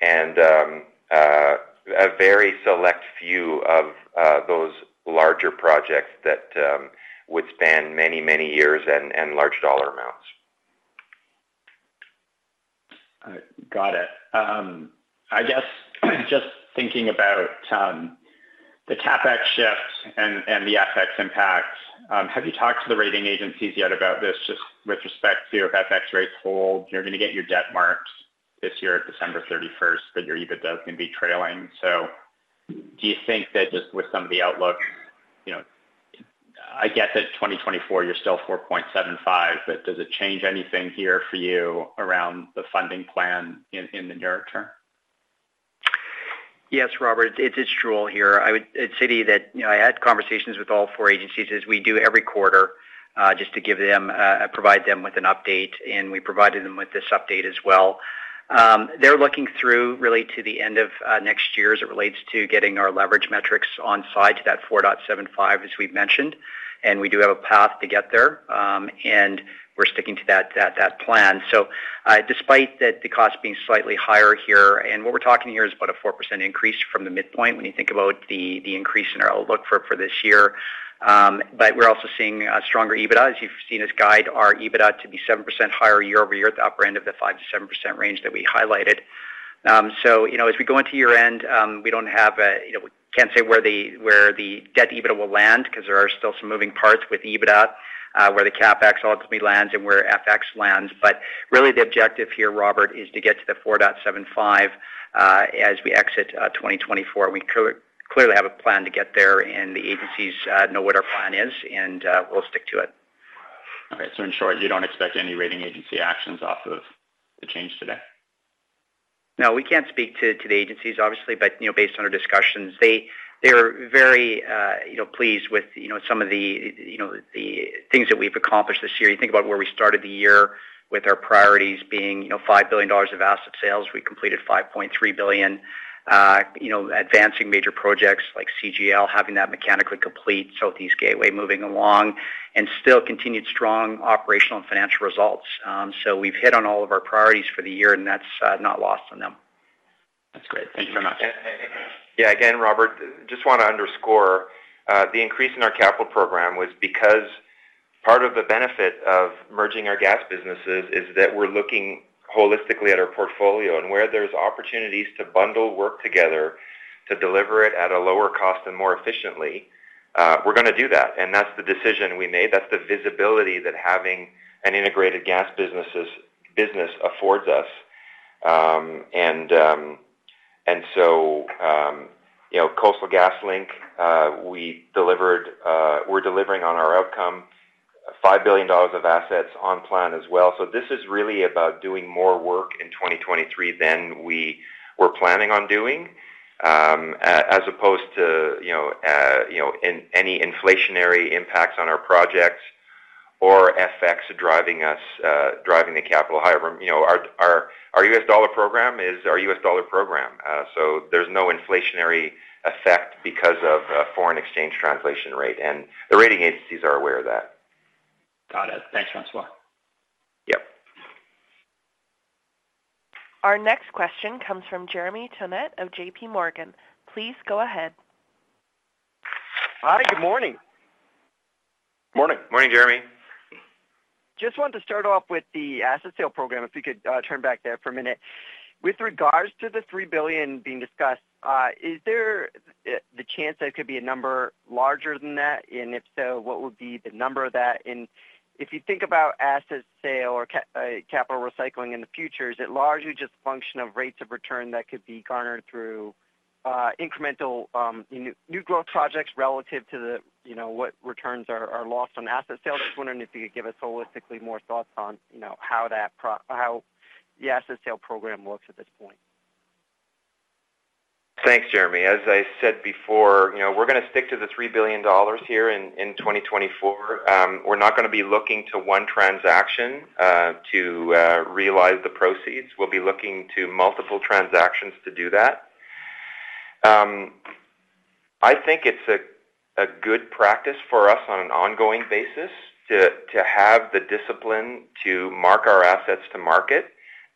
and a very select few of those larger projects that would span many, many years and large dollar amounts. Got it. I guess, just thinking about the CapEx shift and the FX impact, have you talked to the rating agencies yet about this, just with respect to your FX rate hold? You're gonna get your debt marked this year at December 31st, but your EBITDA is gonna be trailing. So do you think that just with some of the outlook, you know... I get that 2024, you're still 4.75, but does it change anything here for you around the funding plan in the near term? Yes, Robert, it's Joel here. I'd say that, you know, I had conversations with all four agencies, as we do every quarter, just to give them, provide them with an update, and we provided them with this update as well. They're looking through really to the end of next year as it relates to getting our leverage metrics on side to that 4.75, as we've mentioned, and we do have a path to get there, and we're sticking to that plan. So, despite that the cost being slightly higher here, and what we're talking here is about a 4% increase from the midpoint, when you think about the increase in our outlook for this year. But we're also seeing a stronger EBITDA, as you've seen us guide our EBITDA to be 7% higher year-over-year at the upper end of the 5%-7% range that we highlighted. So, you know, as we go into year-end, we don't have a, you know, we can't say where the debt-to-EBITDA will land, 'cause there are still some moving parts with EBITDA, where the CapEx ultimately lands and where FX lands. But really, the objective here, Robert, is to get to the 4.75, as we exit 2024. We clearly have a plan to get there, and the agencies know what our plan is, and we'll stick to it. Okay, so in short, you don't expect any rating agency actions off of the change today? No, we can't speak to the agencies, obviously, but you know, based on our discussions, they, they're very, you know, pleased with you know, some of the you know, the things that we've accomplished this year. You think about where we started the year with our priorities being you know, $5 billion of asset sales. We completed 5.3 billion, you know, advancing major projects like CGL, having that mechanically complete, Southeast Gateway moving along, and still continued strong operational and financial results. So we've hit on all of our priorities for the year, and that's not lost on them. That's great. Thank you very much. Yeah, again, Robert, just want to underscore the increase in our capital program was because part of the benefit of merging our gas businesses is that we're looking holistically at our portfolio. And where there's opportunities to bundle work together to deliver it at a lower cost and more efficiently, we're gonna do that, and that's the decision we made. That's the visibility that having an integrated gas business affords us. And so, you know, Coastal GasLink, we delivered, we're delivering on our outcome, 5 billion dollars of assets on plan as well. So this is really about doing more work in 2023 than we were planning on doing, as opposed to, you know, you know, any inflationary impacts on our projects or FX driving us, driving the capital higher. You know, our U.S. dollar program is our U.S. dollar program, so there's no inflationary effect because of foreign exchange translation rate, and the rating agencies are aware of that. Got it. Thanks, François. Yep. Our next question comes from Jeremy Tonet of JP Morgan. Please go ahead. Hi, good morning. Morning. Morning, Jeremy. Just wanted to start off with the asset sale program, if you could, turn back there for a minute. With regards to the 3 billion being discussed, is there the chance that it could be a number larger than that? And if so, what would be the number of that? And if you think about asset sale or capital recycling in the future, is it largely just a function of rates of return that could be garnered through incremental new growth projects relative to the, you know, what returns are lost on asset sales? I was wondering if you could give us holistically more thoughts on, you know, how the asset sale program looks at this point? Thanks, Jeremy. As I said before, you know, we're gonna stick to the 3 billion dollars here in 2024. We're not gonna be looking to one transaction to realize the proceeds. We'll be looking to multiple transactions to do that. I think it's a good practice for us on an ongoing basis to have the discipline to mark our assets to market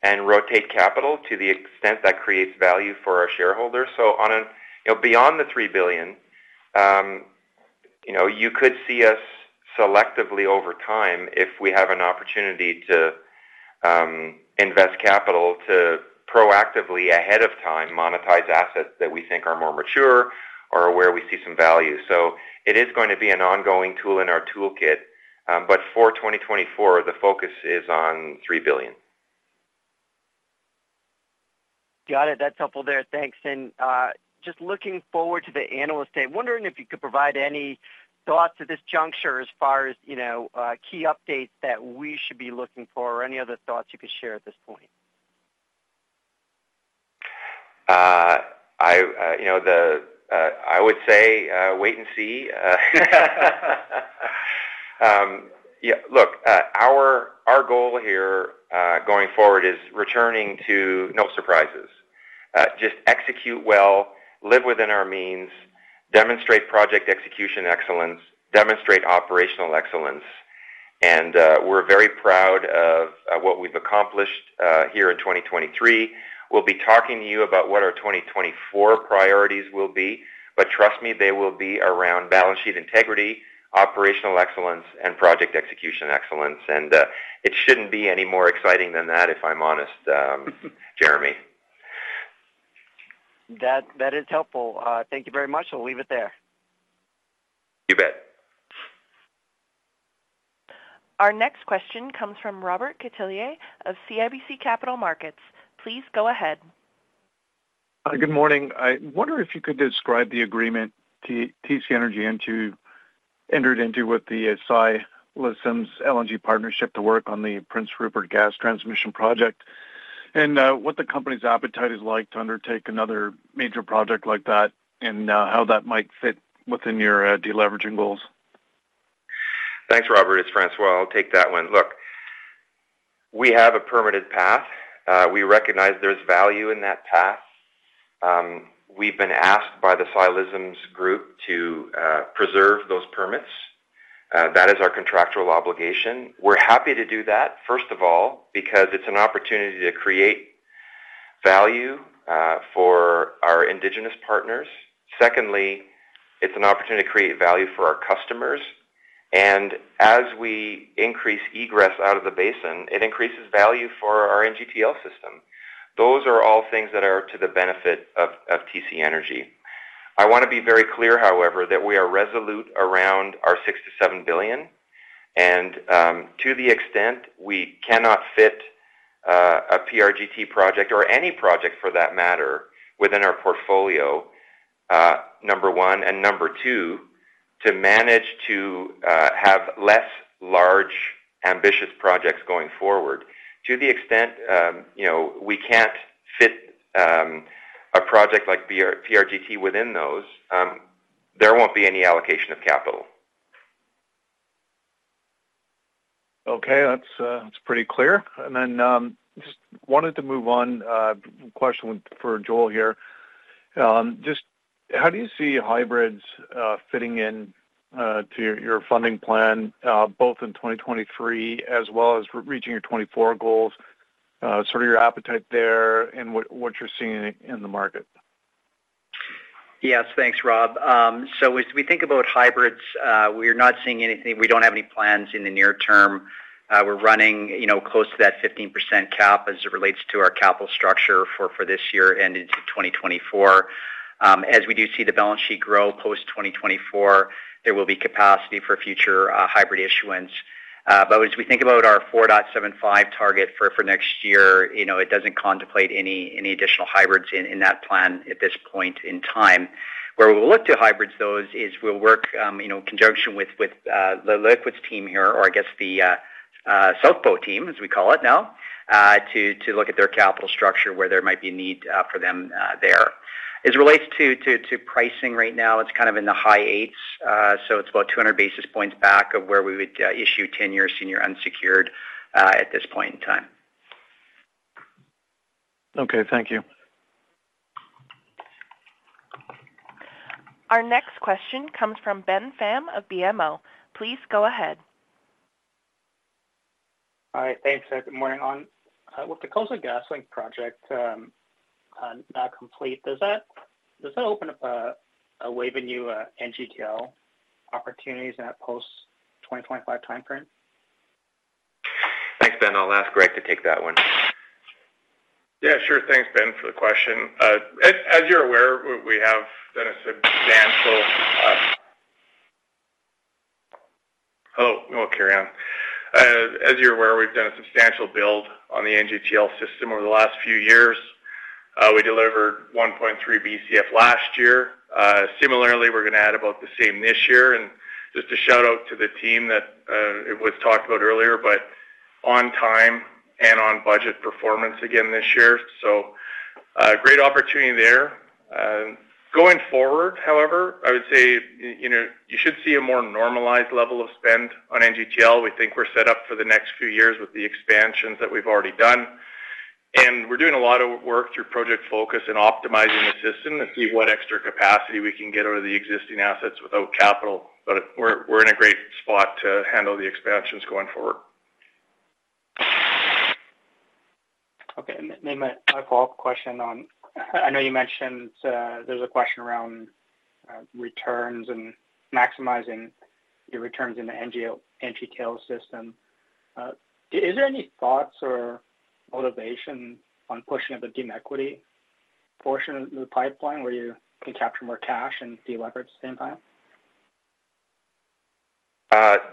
and rotate capital to the extent that creates value for our shareholders. So you know, beyond the 3 billion, you know, you could see us selectively over time, if we have an opportunity to invest capital to proactively, ahead of time, monetize assets that we think are more mature or where we see some value. So it is going to be an ongoing tool in our toolkit, but for 2024, the focus is on 3 billion. Got it. That's helpful there. Thanks. Just looking forward to the Analyst Day, wondering if you could provide any thoughts at this juncture as far as, you know, key updates that we should be looking for or any other thoughts you could share at this point? You know, I would say wait and see. Yeah, look, our goal here going forward is returning to no surprises. Just execute well, live within our means, demonstrate project execution excellence, demonstrate operational excellence. And we're very proud of what we've accomplished here in 2023. We'll be talking to you about what our 2024 priorities will be, but trust me, they will be around balance sheet integrity, operational excellence, and project execution excellence. And it shouldn't be any more exciting than that, if I'm honest, Jeremy. That is helpful. Thank you very much. I'll leave it there. You bet. Our next question comes from Robert Catellier of CIBC Capital Markets. Please go ahead. Hi, good morning. I wonder if you could describe the agreement TC Energy entered into with the was some LNG partnership to work on the Prince Rupert Gas Transmission project, and what the company's appetite is like to undertake another major project like that, and how that might fit within your deleveraging goals? Thanks, Robert. It's François. I'll take that one. Look, we have a permitted path. We recognize there's value in that path. We've been asked by the Ksi Lisims group to preserve those permits. That is our contractual obligation. We're happy to do that, first of all, because it's an opportunity to create value for our Indigenous partners. Secondly, it's an opportunity to create value for our customers, and as we increase egress out of the basin, it increases value for our NGTL System. Those are all things that are to the benefit of TC Energy. I wanna be very clear, however, that we are resolute around our 6 billion-7 billion, and, to the extent we cannot fit, a PRGT project, or any project for that matter, within our portfolio, number one, and number two, to manage to, have less large, ambitious projects going forward. To the extent, you know, we can't fit, a project like PRGT within those, there won't be any allocation of capital. Okay, that's, that's pretty clear. And then, just wanted to move on. Question for Joel here. Just how do you see hybrids, fitting in, to your, your funding plan, both in 2023 as well as reaching your 2024 goals, sort of your appetite there and what, what you're seeing in, in the market? Yes, thanks, Rob. So as we think about hybrids, we're not seeing anything. We don't have any plans in the near term. We're running, you know, close to that 15% cap as it relates to our capital structure for, for this year and into 2024. As we do see the balance sheet grow post 2024, there will be capacity for future, hybrid issuance. But as we think about our 4.75 target for, for next year, you know, it doesn't contemplate any, any additional hybrids in, in that plan at this point in time. Where we'll look to hybrids, though, is we'll work, you know, in conjunction with the liquids team here, or I guess the South Bow team, as we call it now, to look at their capital structure, where there might be a need for them there. As it relates to pricing right now, it's kind of in the high eights, so it's about 200 basis points back of where we would issue 10-year senior unsecured at this point in time. Okay, thank you. Our next question comes from Ben Pham of BMO. Please go ahead. All right, thanks. Good morning. On with the Coastal GasLink project now complete, does that open up a way for you NGTL opportunities in that post-2025 time frame? Thanks, Ben. I'll ask Greg to take that one. Yeah, sure. Thanks, Ben, for the question. As you're aware, we've done a substantial build on the NGTL System over the last few years. We delivered 1.3 BCF last year. Similarly, we're gonna add about the same this year. And just a shout-out to the team that it was talked about earlier, but on time and on budget performance again this year. So, great opportunity there. Going forward, however, I would say, you know, you should see a more normalized level of spend on NGTL. We think we're set up for the next few years with the expansions that we've already done, and we're doing a lot of work through Project Focus in optimizing the system to see what extra capacity we can get out of the existing assets without capital, but we're in a great spot to handle the expansions going forward.... Okay, and then my, my follow-up question on, I know you mentioned, there's a question around, returns and maximizing your returns in the NGTL System. Is there any thoughts or motivation on pushing of the deemed equity portion of the pipeline, where you can capture more cash and deleverage at the same time?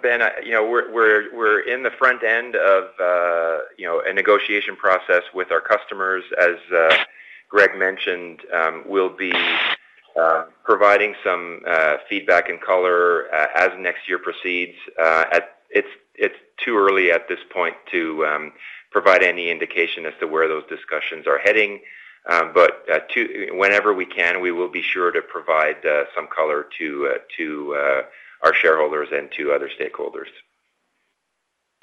Ben, you know, we're in the front end of, you know, a negotiation process with our customers. As Greg mentioned, we'll be providing some feedback and color as next year proceeds. It's too early at this point to provide any indication as to where those discussions are heading. But whenever we can, we will be sure to provide some color to our shareholders and to other stakeholders.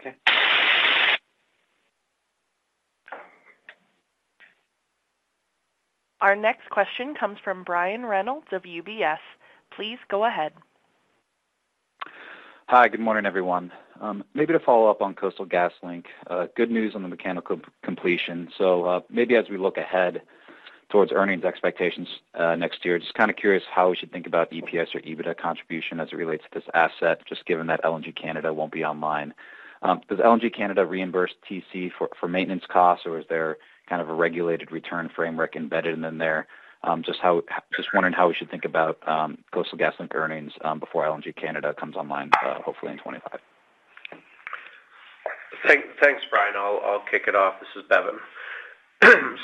Okay. Our next question comes from Brian Reynolds of UBS. Please go ahead. Hi, good morning, everyone. Maybe to follow up on Coastal GasLink, good news on the mechanical completion. So, maybe as we look ahead towards earnings expectations, next year, just kind of curious how we should think about EPS or EBITDA contribution as it relates to this asset, just given that LNG Canada won't be online. Does LNG Canada reimburse TC for maintenance costs, or is there kind of a regulated return framework embedded in there? Just wondering how we should think about Coastal GasLink earnings before LNG Canada comes online, hopefully in 2025. Thanks, Brian. I'll kick it off. This is Bevin.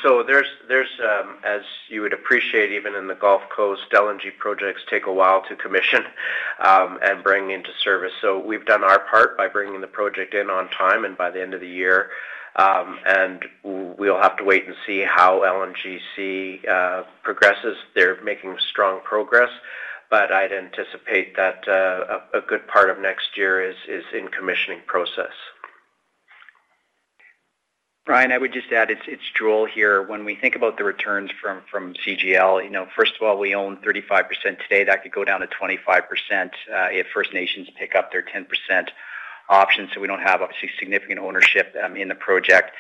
So, as you would appreciate, even in the Gulf Coast, LNG projects take a while to commission and bring into service. So we've done our part by bringing the project in on time and by the end of the year. And we'll have to wait and see how LNGC progresses. They're making strong progress, but I'd anticipate that a good part of next year is in commissioning process. Brian, I would just add, it's Joel here. When we think about the returns from CGL, you know, first of all, we own 35% today. That could go down to 25%, if First Nations pick up their 10% option. So we don't have, obviously, significant ownership in the project.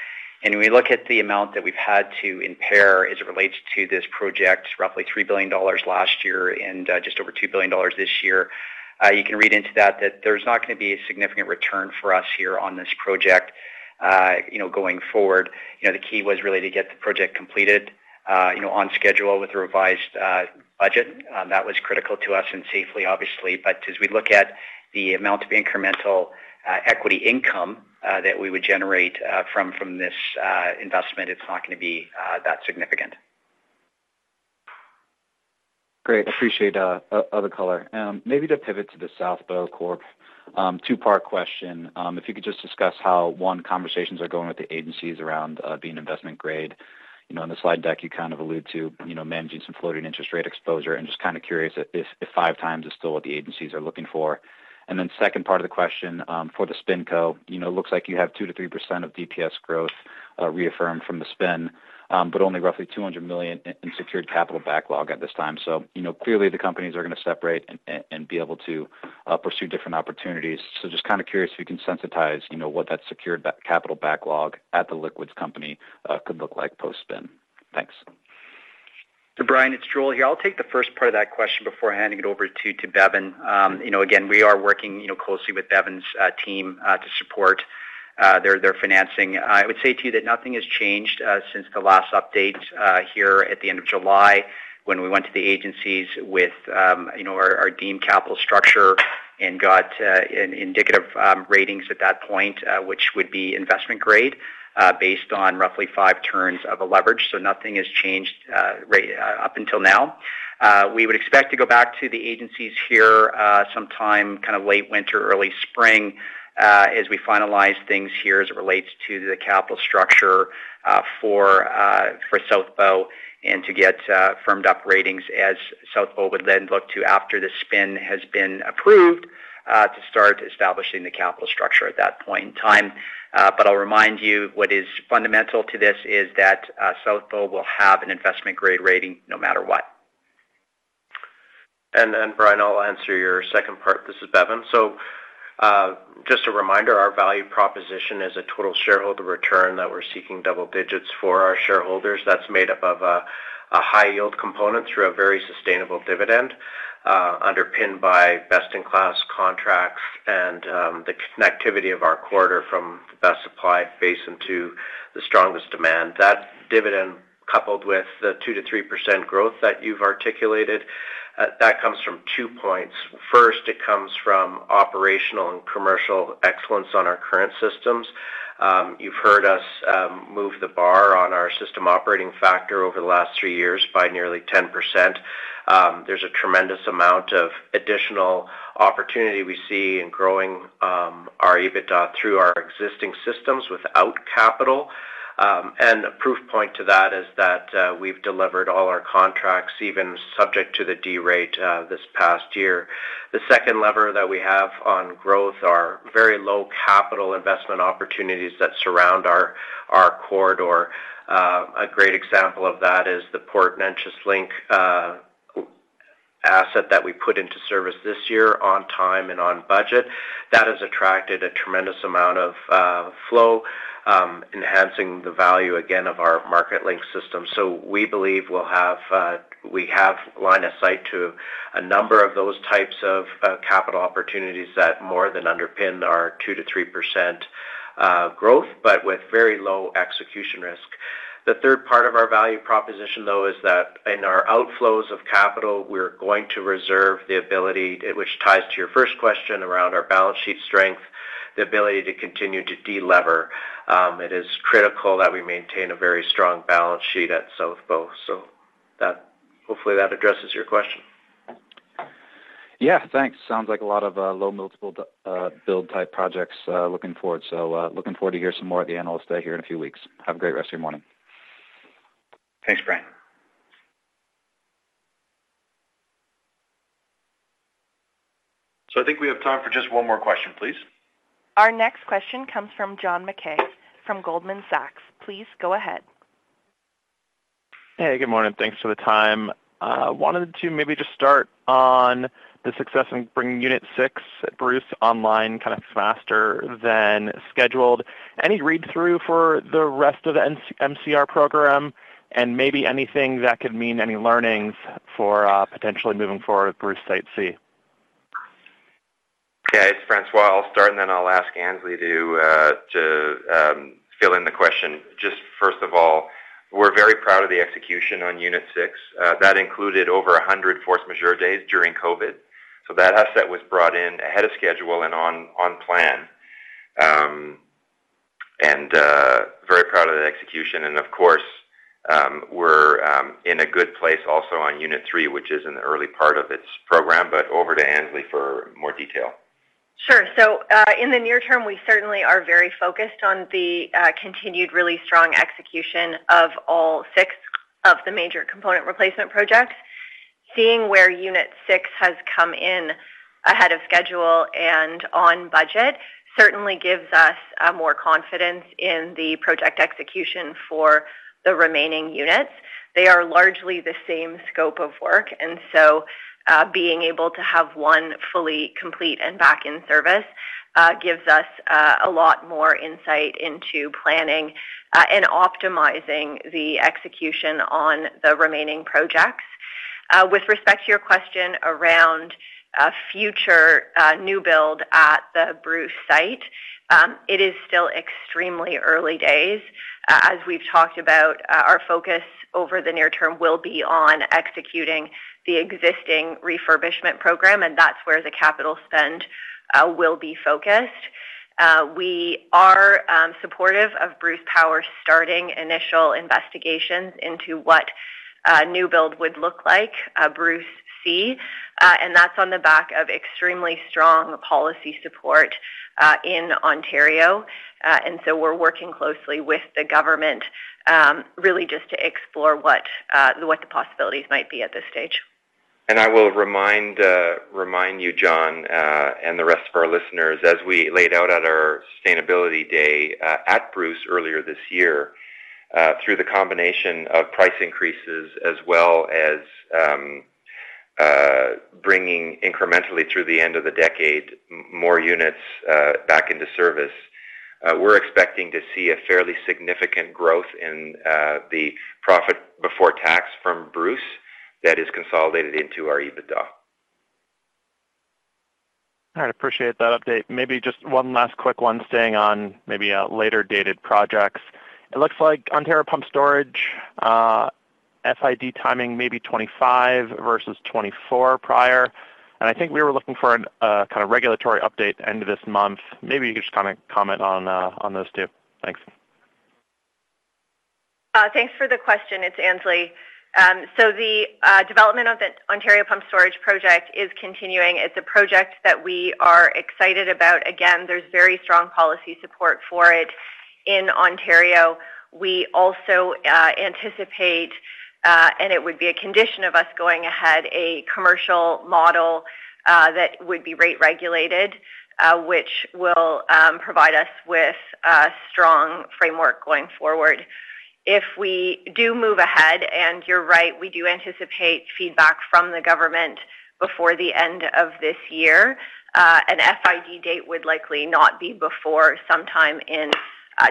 And when we look at the amount that we've had to impair as it relates to this project, roughly 3 billion dollars last year and just over 2 billion dollars this year, you can read into that, that there's not gonna be a significant return for us here on this project, you know, going forward. You know, the key was really to get the project completed, you know, on schedule with a revised budget. That was critical to us and safely, obviously. As we look at the amount of incremental equity income that we would generate from this investment, it's not gonna be that significant. Great. Appreciate other color. Maybe to pivot to the South Bow Corp, two-part question. If you could just discuss how, one, conversations are going with the agencies around being investment grade. You know, in the slide deck, you kind of allude to, you know, managing some floating interest rate exposure, and just kind of curious if 5x is still what the agencies are looking for. And then second part of the question, for the SpinCo, you know, looks like you have 2%-3% of DPS growth, reaffirmed from the spin, but only roughly 200 million in secured capital backlog at this time. So, you know, clearly, the companies are gonna separate and be able to pursue different opportunities. Just kind of curious if you can sensitize, you know, what that secured capital backlog at the liquids company could look like post-spin? Thanks. So Brian, it's Joel here. I'll take the first part of that question before handing it over to Bevin. You know, again, we are working, you know, closely with Bevin's team to support their financing. I would say to you that nothing has changed since the last update here at the end of July, when we went to the agencies with our deemed capital structure and got an indicative ratings at that point, which would be investment grade based on roughly five turns of a leverage. So nothing has changed up until now. We would expect to go back to the agencies here, sometime kind of late winter, early spring, as we finalize things here as it relates to the capital structure, for South Bow, and to get firmed up ratings as South Bow would then look to after the spin has been approved, to start establishing the capital structure at that point in time. But I'll remind you, what is fundamental to this is that, South Bow will have an investment-grade rating no matter what. Then, Brian, I'll answer your second part. This is Bevin. So, just a reminder, our value proposition is a total shareholder return that we're seeking double digits for our shareholders. That's made up of a high-yield component through a very sustainable dividend, underpinned by best-in-class contracts and the connectivity of our core from the best supply basin to the strongest demand. That dividend, coupled with the 2%-3% growth that you've articulated, that comes from two points. First, it comes from operational and commercial excellence on our current systems. You've heard us move the bar on our system operating factor over the last 3 years by nearly 10%. There's a tremendous amount of additional opportunity we see in growing our EBITDA through our existing systems without capital. And the proof point to that is that we've delivered all our contracts, even subject to the derate, this past year. The second lever that we have on growth are very low capital investment opportunities that surround our corridor. A great example of that is the Port Neches Link-... asset that we put into service this year on time and on budget. That has attracted a tremendous amount of flow, enhancing the value, again, of our market-linked system. So we believe we'll have, we have line of sight to a number of those types of capital opportunities that more than underpin our 2%-3% growth, but with very low execution risk. The third part of our value proposition, though, is that in our outflows of capital, we're going to reserve the ability, which ties to your first question around our balance sheet strength, the ability to continue to delever. It is critical that we maintain a very strong balance sheet at South Bow. So that hopefully that addresses your question. Yeah, thanks. Sounds like a lot of low multiple build-type projects looking forward. So, looking forward to hear some more at the Analyst Day here in a few weeks. Have a great rest of your morning. Thanks, Brian. So I think we have time for just one more question, please. Our next question comes from John Mackay from Goldman Sachs. Please go ahead. Hey, good morning. Thanks for the time. Wanted to maybe just start on the success in bringing Unit 6 at Bruce online, kind of faster than scheduled. Any read-through for the rest of the MCR program, and maybe anything that could mean any learnings for, potentially moving forward with Bruce Site C? Okay, it's François. I'll start, and then I'll ask Annesley to fill in the question. Just first of all, we're very proud of the execution on Unit 6. That included over 100 force majeure days during COVID. So that asset was brought in ahead of schedule and on plan. And very proud of the execution. And of course, we're in a good place also on Unit 3, which is in the early part of its program, but over to Annesley for more detail. Sure. So, in the near term, we certainly are very focused on the continued really strong execution of all 6 of the major component replacement projects. Seeing where Unit 6 has come in ahead of schedule and on budget, certainly gives us more confidence in the project execution for the remaining units. They are largely the same scope of work, and so, being able to have one fully complete and back in service, gives us a lot more insight into planning and optimizing the execution on the remaining projects. With respect to your question around a future new build at the Bruce site, it is still extremely early days. As we've talked about, our focus over the near term will be on executing the existing refurbishment program, and that's where the capital spend will be focused. We are supportive of Bruce Power starting initial investigations into what a new build would look like, Bruce C, and that's on the back of extremely strong policy support in Ontario. So we're working closely with the government, really just to explore what the possibilities might be at this stage. I will remind you, John, and the rest of our listeners, as we laid out at our Sustainability Day at Bruce earlier this year, through the combination of price increases as well as bringing incrementally through the end of the decade more units back into service, we're expecting to see a fairly significant growth in the profit before tax from Bruce that is consolidated into our EBITDA. All right, appreciate that update. Maybe just one last quick one, staying on maybe later-dated projects. It looks like Ontario Pumped Storage FID timing may be 2025 versus 2024 prior, and I think we were looking for an kind of regulatory update end of this month. Maybe you could just comment, comment on on those two. Thanks. Thanks for the question. It's Annesley. So the development of the Ontario Pumped Storage project is continuing. It's a project that we are excited about. Again, there's very strong policy support for it in Ontario. We also anticipate, and it would be a condition of us going ahead, a commercial model that would be rate regulated, which will provide us with a strong framework going forward. If we do move ahead, and you're right, we do anticipate feedback from the government before the end of this year. An FID date would likely not be before sometime in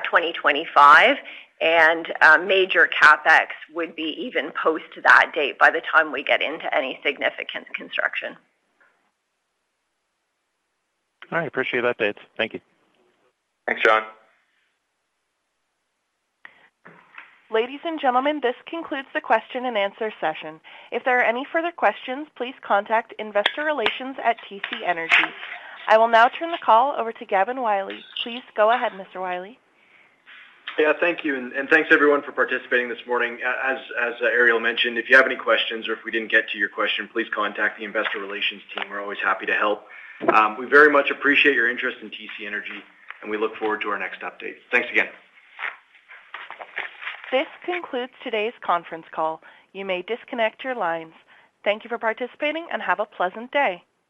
2025, and major CapEx would be even post that date by the time we get into any significant construction. All right. Appreciate the updates. Thank you. Thanks, John. Ladies and gentlemen, this concludes the question-and-answer session. If there are any further questions, please contact Investor Relations at TC Energy. I will now turn the call over to Gavin Wylie. Please go ahead, Mr. Wylie. Yeah, thank you. And thanks, everyone, for participating this morning. As Ariel mentioned, if you have any questions or if we didn't get to your question, please contact the investor relations team. We're always happy to help. We very much appreciate your interest in TC Energy, and we look forward to our next update. Thanks again. This concludes today's conference call. You may disconnect your lines. Thank you for participating, and have a pleasant day.